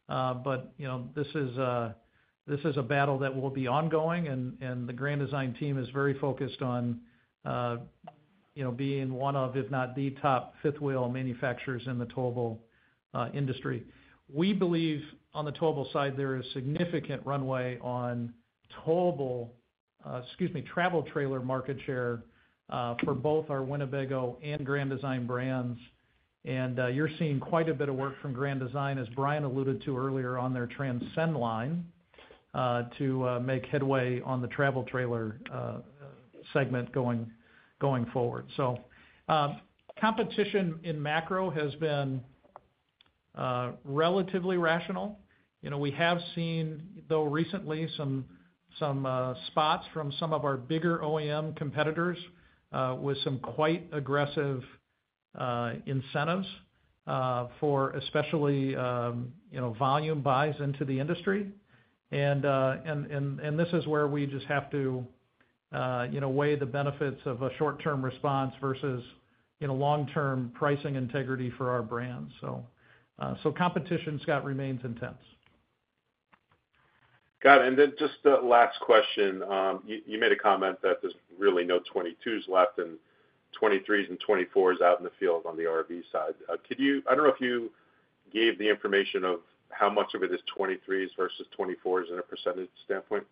This is a battle that will be ongoing, and the Grand Design team is very focused on being one of, if not the top fifth-wheel manufacturers in the towable industry. We believe on the towable side, there is significant runway on towable, excuse me, travel trailer market share for both our Winnebago and Grand Design brands. You're seeing quite a bit of work from Grand Design, as Brian alluded to earlier on their Transcend line, to make headway on the travel trailer segment going forward. Competition in macro has been relatively rational. We have seen, though recently, some spots from some of our bigger OEM competitors with some quite aggressive incentives for especially volume buys into the industry. This is where we just have to weigh the benefits of a short-term response versus long-term pricing integrity for our brands. Competition, Scott, remains intense. Got it. And then just the last question. You made a comment that there's really no 2022s left, and 2023s and 2024s out in the field on the RV side. I don't know if you gave the information of how much of it is 2023s versus 2024s in a percentage standpoint.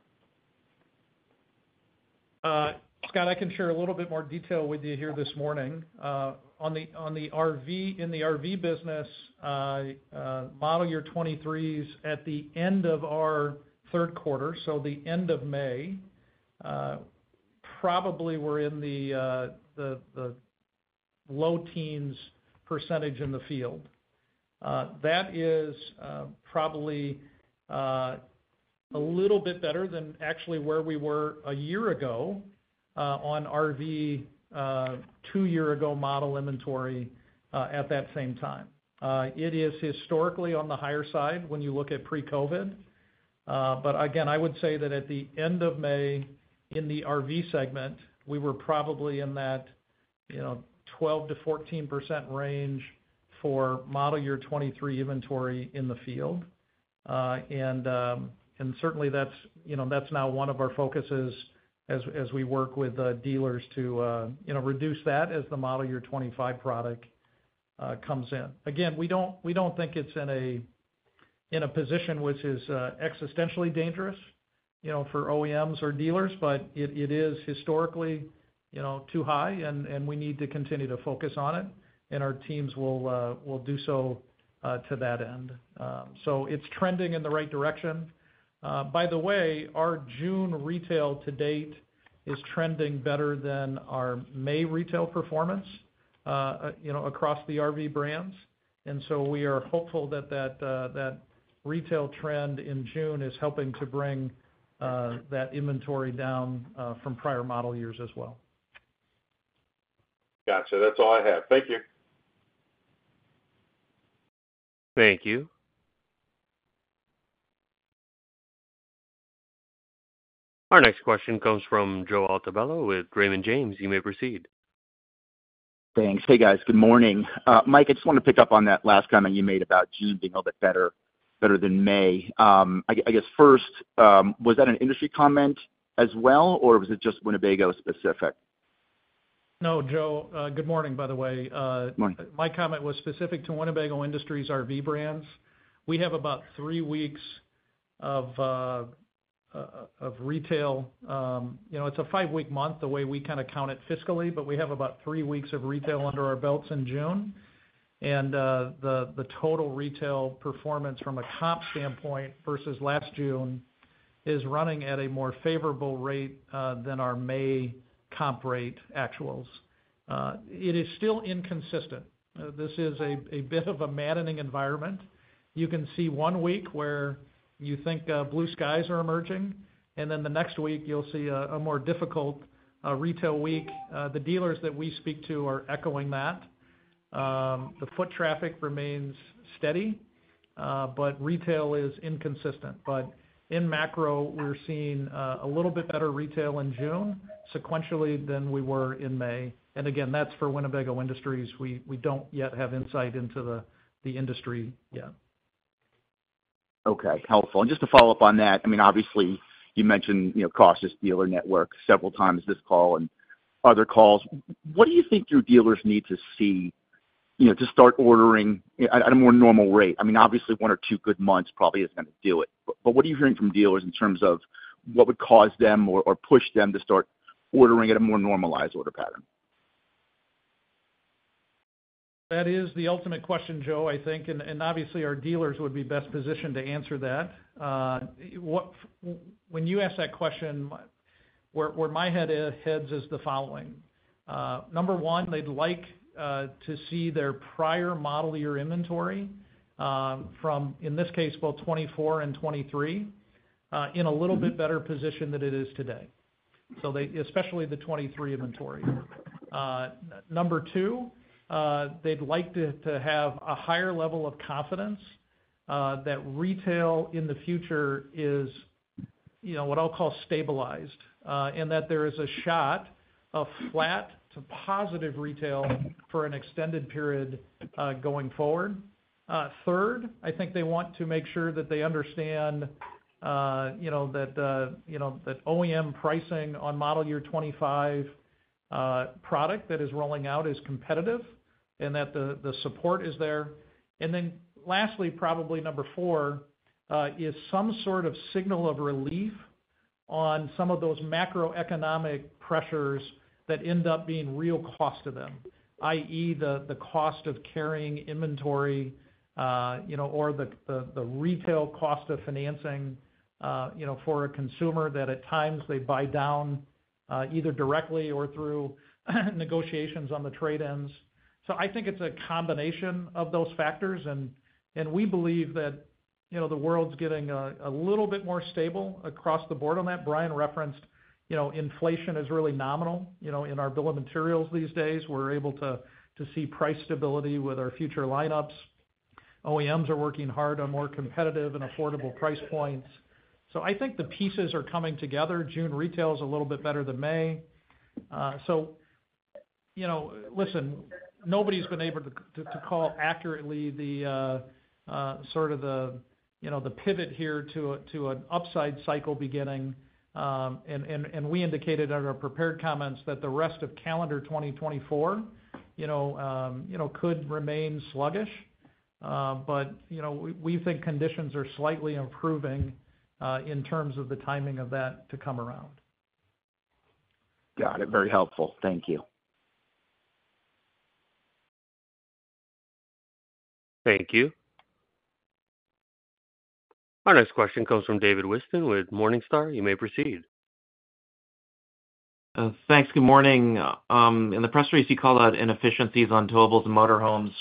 Scott, I can share a little bit more detail with you here this morning. On the RV business, model year 2023s at the end of our third quarter, so the end of May, probably we're in the low teens % in the field. That is probably a little bit better than actually where we were a year ago on RV two-year-ago model inventory at that same time. It is historically on the higher side when you look at pre-COVID. But again, I would say that at the end of May in the RV segment, we were probably in that 12%-14% range for model year 2023 inventory in the field. And certainly, that's now one of our focuses as we work with dealers to reduce that as the model year 2025 product comes in. Again, we don't think it's in a position which is existentially dangerous for OEMs or dealers, but it is historically too high, and we need to continue to focus on it. And our teams will do so to that end. So it's trending in the right direction. By the way, our June retail to date is trending better than our May retail performance across the RV brands. And so we are hopeful that that retail trend in June is helping to bring that inventory down from prior model years as well. Gotcha. That's all I have. Thank you. Thank you. Our next question comes from Joe Altobello with Raymond James. You may proceed. Thanks. Hey, guys. Good morning. Mike, I just want to pick up on that last comment you made about June being a little bit better than May. I guess first, was that an industry comment as well, or was it just Winnebago specific? No, Joe, good morning, by the way. Good morning. My comment was specific to Winnebago Industries RV brands. We have about three weeks of retail. It's a five-week month the way we kind of count it fiscally, but we have about three weeks of retail under our belts in June. And the total retail performance from a comp standpoint versus last June is running at a more favorable rate than our May comp rate actuals. It is still inconsistent. This is a bit of a maddening environment. You can see one week where you think blue skies are emerging, and then the next week you'll see a more difficult retail week. The dealers that we speak to are echoing that. The foot traffic remains steady, but retail is inconsistent. But in macro, we're seeing a little bit better retail in June sequentially than we were in May. And again, that's for Winnebago Industries. We don't yet have insight into the industry yet. Okay. Powerful. Just to follow up on that, I mean, obviously, you mentioned coast-to-coast dealer network several times this call and other calls. What do you think your dealers need to see to start ordering at a more normal rate? I mean, obviously, one or two good months probably isn't going to do it. But what are you hearing from dealers in terms of what would cause them or push them to start ordering at a more normalized order pattern? That is the ultimate question, Joe, I think. Obviously, our dealers would be best positioned to answer that. When you ask that question, where my head is, is the following. Number one, they'd like to see their prior model year inventory from, in this case, both 2024 and 2023 in a little bit better position than it is today, especially the 2023 inventory. Number two, they'd like to have a higher level of confidence that retail in the future is what I'll call stabilized and that there is a shot of flat to positive retail for an extended period going forward. Third, I think they want to make sure that they understand that OEM pricing on model year 2025 product that is rolling out is competitive and that the support is there. Then lastly, probably number 4, is some sort of signal of relief on some of those macroeconomic pressures that end up being real cost to them, i.e., the cost of carrying inventory or the retail cost of financing for a consumer that at times they buy down either directly or through negotiations on the trade-ins. So I think it's a combination of those factors. We believe that the world's getting a little bit more stable across the board on that. Brian referenced inflation is really nominal in our bill of materials these days. We're able to see price stability with our future lineups. OEMs are working hard on more competitive and affordable price points. So I think the pieces are coming together. June retail is a little bit better than May. So, listen, nobody's been able to call accurately sort of the pivot here to an upside cycle beginning. We indicated in our prepared comments that the rest of calendar 2024 could remain sluggish, but we think conditions are slightly improving in terms of the timing of that to come around. Got it. Very helpful. Thank you. Thank you. Our next question comes from David Whiston with Morningstar. You may proceed. Thanks. Good morning. In the press release, you called out inefficiencies on towables and motorhomes.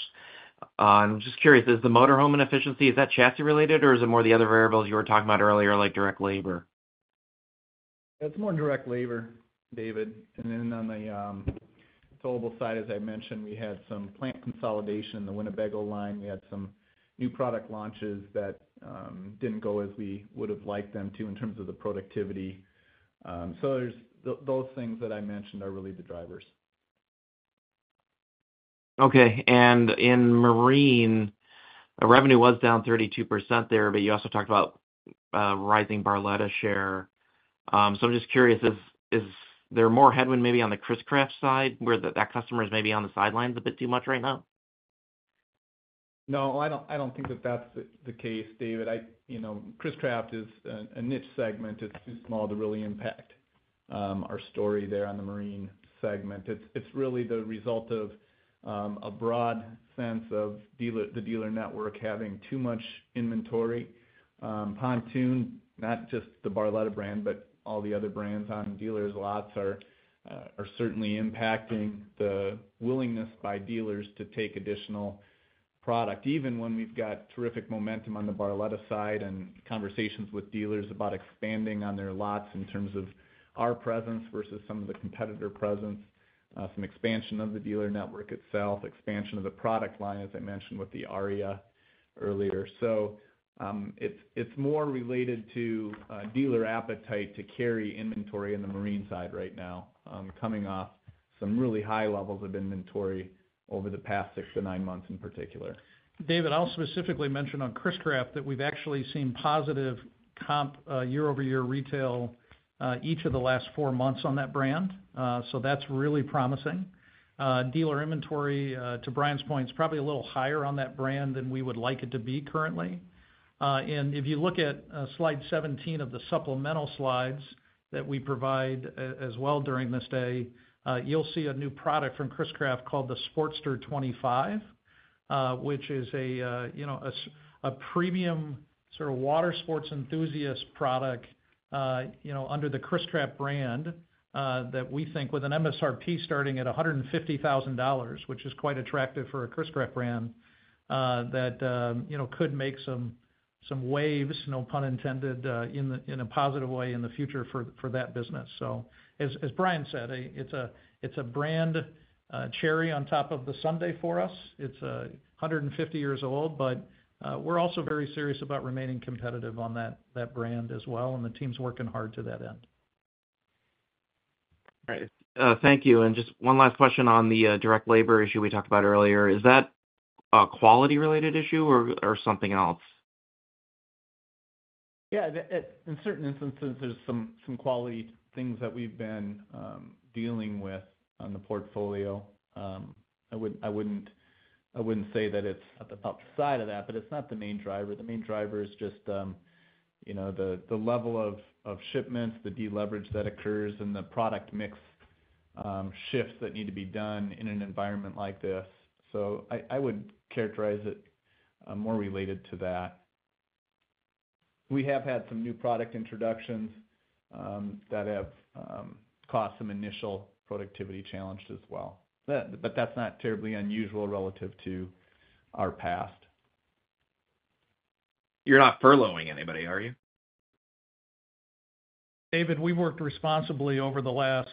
I'm just curious, is the motorhome inefficiency, is that chassis-related, or is it more the other variables you were talking about earlier, like direct labor? It's more direct labor, David. And then on the towable side, as I mentioned, we had some plant consolidation in the Winnebago line. We had some new product launches that didn't go as we would have liked them to in terms of the productivity. So those things that I mentioned are really the drivers. Okay. In Marine, revenue was down 32% there, but you also talked about rising Barletta share. So I'm just curious, is there more headwind maybe on the Chris-Craft side where that customer is maybe on the sidelines a bit too much right now? No, I don't think that that's the case, David. Chris-Craft is a niche segment. It's too small to really impact our story there on the marine segment. It's really the result of a broad sense of the dealer network having too much inventory. Pontoon, not just the Barletta brand, but all the other brands on dealers' lots are certainly impacting the willingness by dealers to take additional product, even when we've got terrific momentum on the Barletta side and conversations with dealers about expanding on their lots in terms of our presence versus some of the competitor presence, some expansion of the dealer network itself, expansion of the product line, as I mentioned with the Aria earlier. So it's more related to dealer appetite to carry inventory on the marine side right now, coming off some really high levels of inventory over the past 6-9 months in particular. David, I'll specifically mention on Chris-Craft that we've actually seen positive comp year-over-year retail each of the last 4 months on that brand. So that's really promising. Dealer inventory, to Brian's point, is probably a little higher on that brand than we would like it to be currently. If you look at slide 17 of the supplemental slides that we provide as well during this day, you'll see a new product from Chris-Craft called the Sportster 25, which is a premium sort of water sports enthusiast product under the Chris-Craft brand that we think with an MSRP starting at $150,000, which is quite attractive for a Chris-Craft brand that could make some waves, no pun intended, in a positive way in the future for that business. So as Brian said, it's a brand cherry on top of the sundae for us. It's 150 years old, but we're also very serious about remaining competitive on that brand as well. And the team's working hard to that end. All right. Thank you. And just one last question on the direct labor issue we talked about earlier. Is that a quality-related issue or something else? Yeah. In certain instances, there's some quality things that we've been dealing with on the portfolio. I wouldn't say that it's at the top side of that, but it's not the main driver. The main driver is just the level of shipments, the deleverage that occurs, and the product mix shifts that need to be done in an environment like this. So I would characterize it more related to that. We have had some new product introductions that have caused some initial productivity challenges as well. But that's not terribly unusual relative to our past. You're not furloughing anybody, are you? David, we've worked responsibly over the last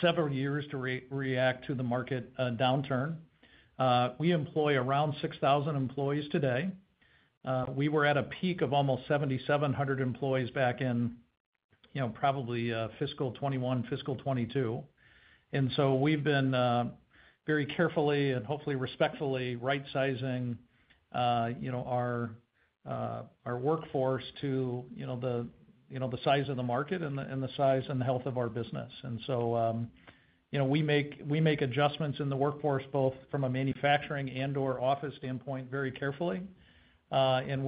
several years to react to the market downturn. We employ around 6,000 employees today. We were at a peak of almost 7,700 employees back in probably fiscal 2021, fiscal 2022. So we've been very carefully and hopefully respectfully right-sizing our workforce to the size of the market and the size and the health of our business. We make adjustments in the workforce both from a manufacturing and/or office standpoint very carefully.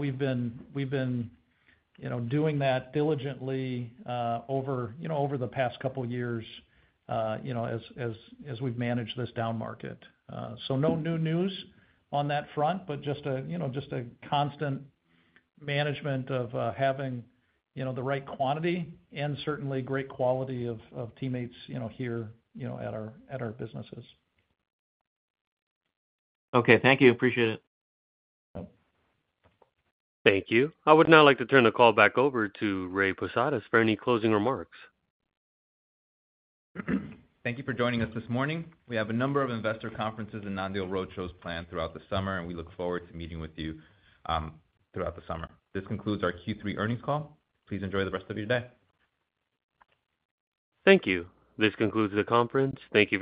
We've been doing that diligently over the past couple of years as we've managed this down market. No new news on that front, but just a constant management of having the right quantity and certainly great quality of teammates here at our businesses. Okay. Thank you. Appreciate it. Thank you. I would now like to turn the call back over to Ray Posadas for any closing remarks. Thank you for joining us this morning. We have a number of investor conferences and non-deal roadshows planned throughout the summer, and we look forward to meeting with you throughout the summer. This concludes our Q3 earnings call. Please enjoy the rest of your day. Thank you. This concludes the conference. Thank you.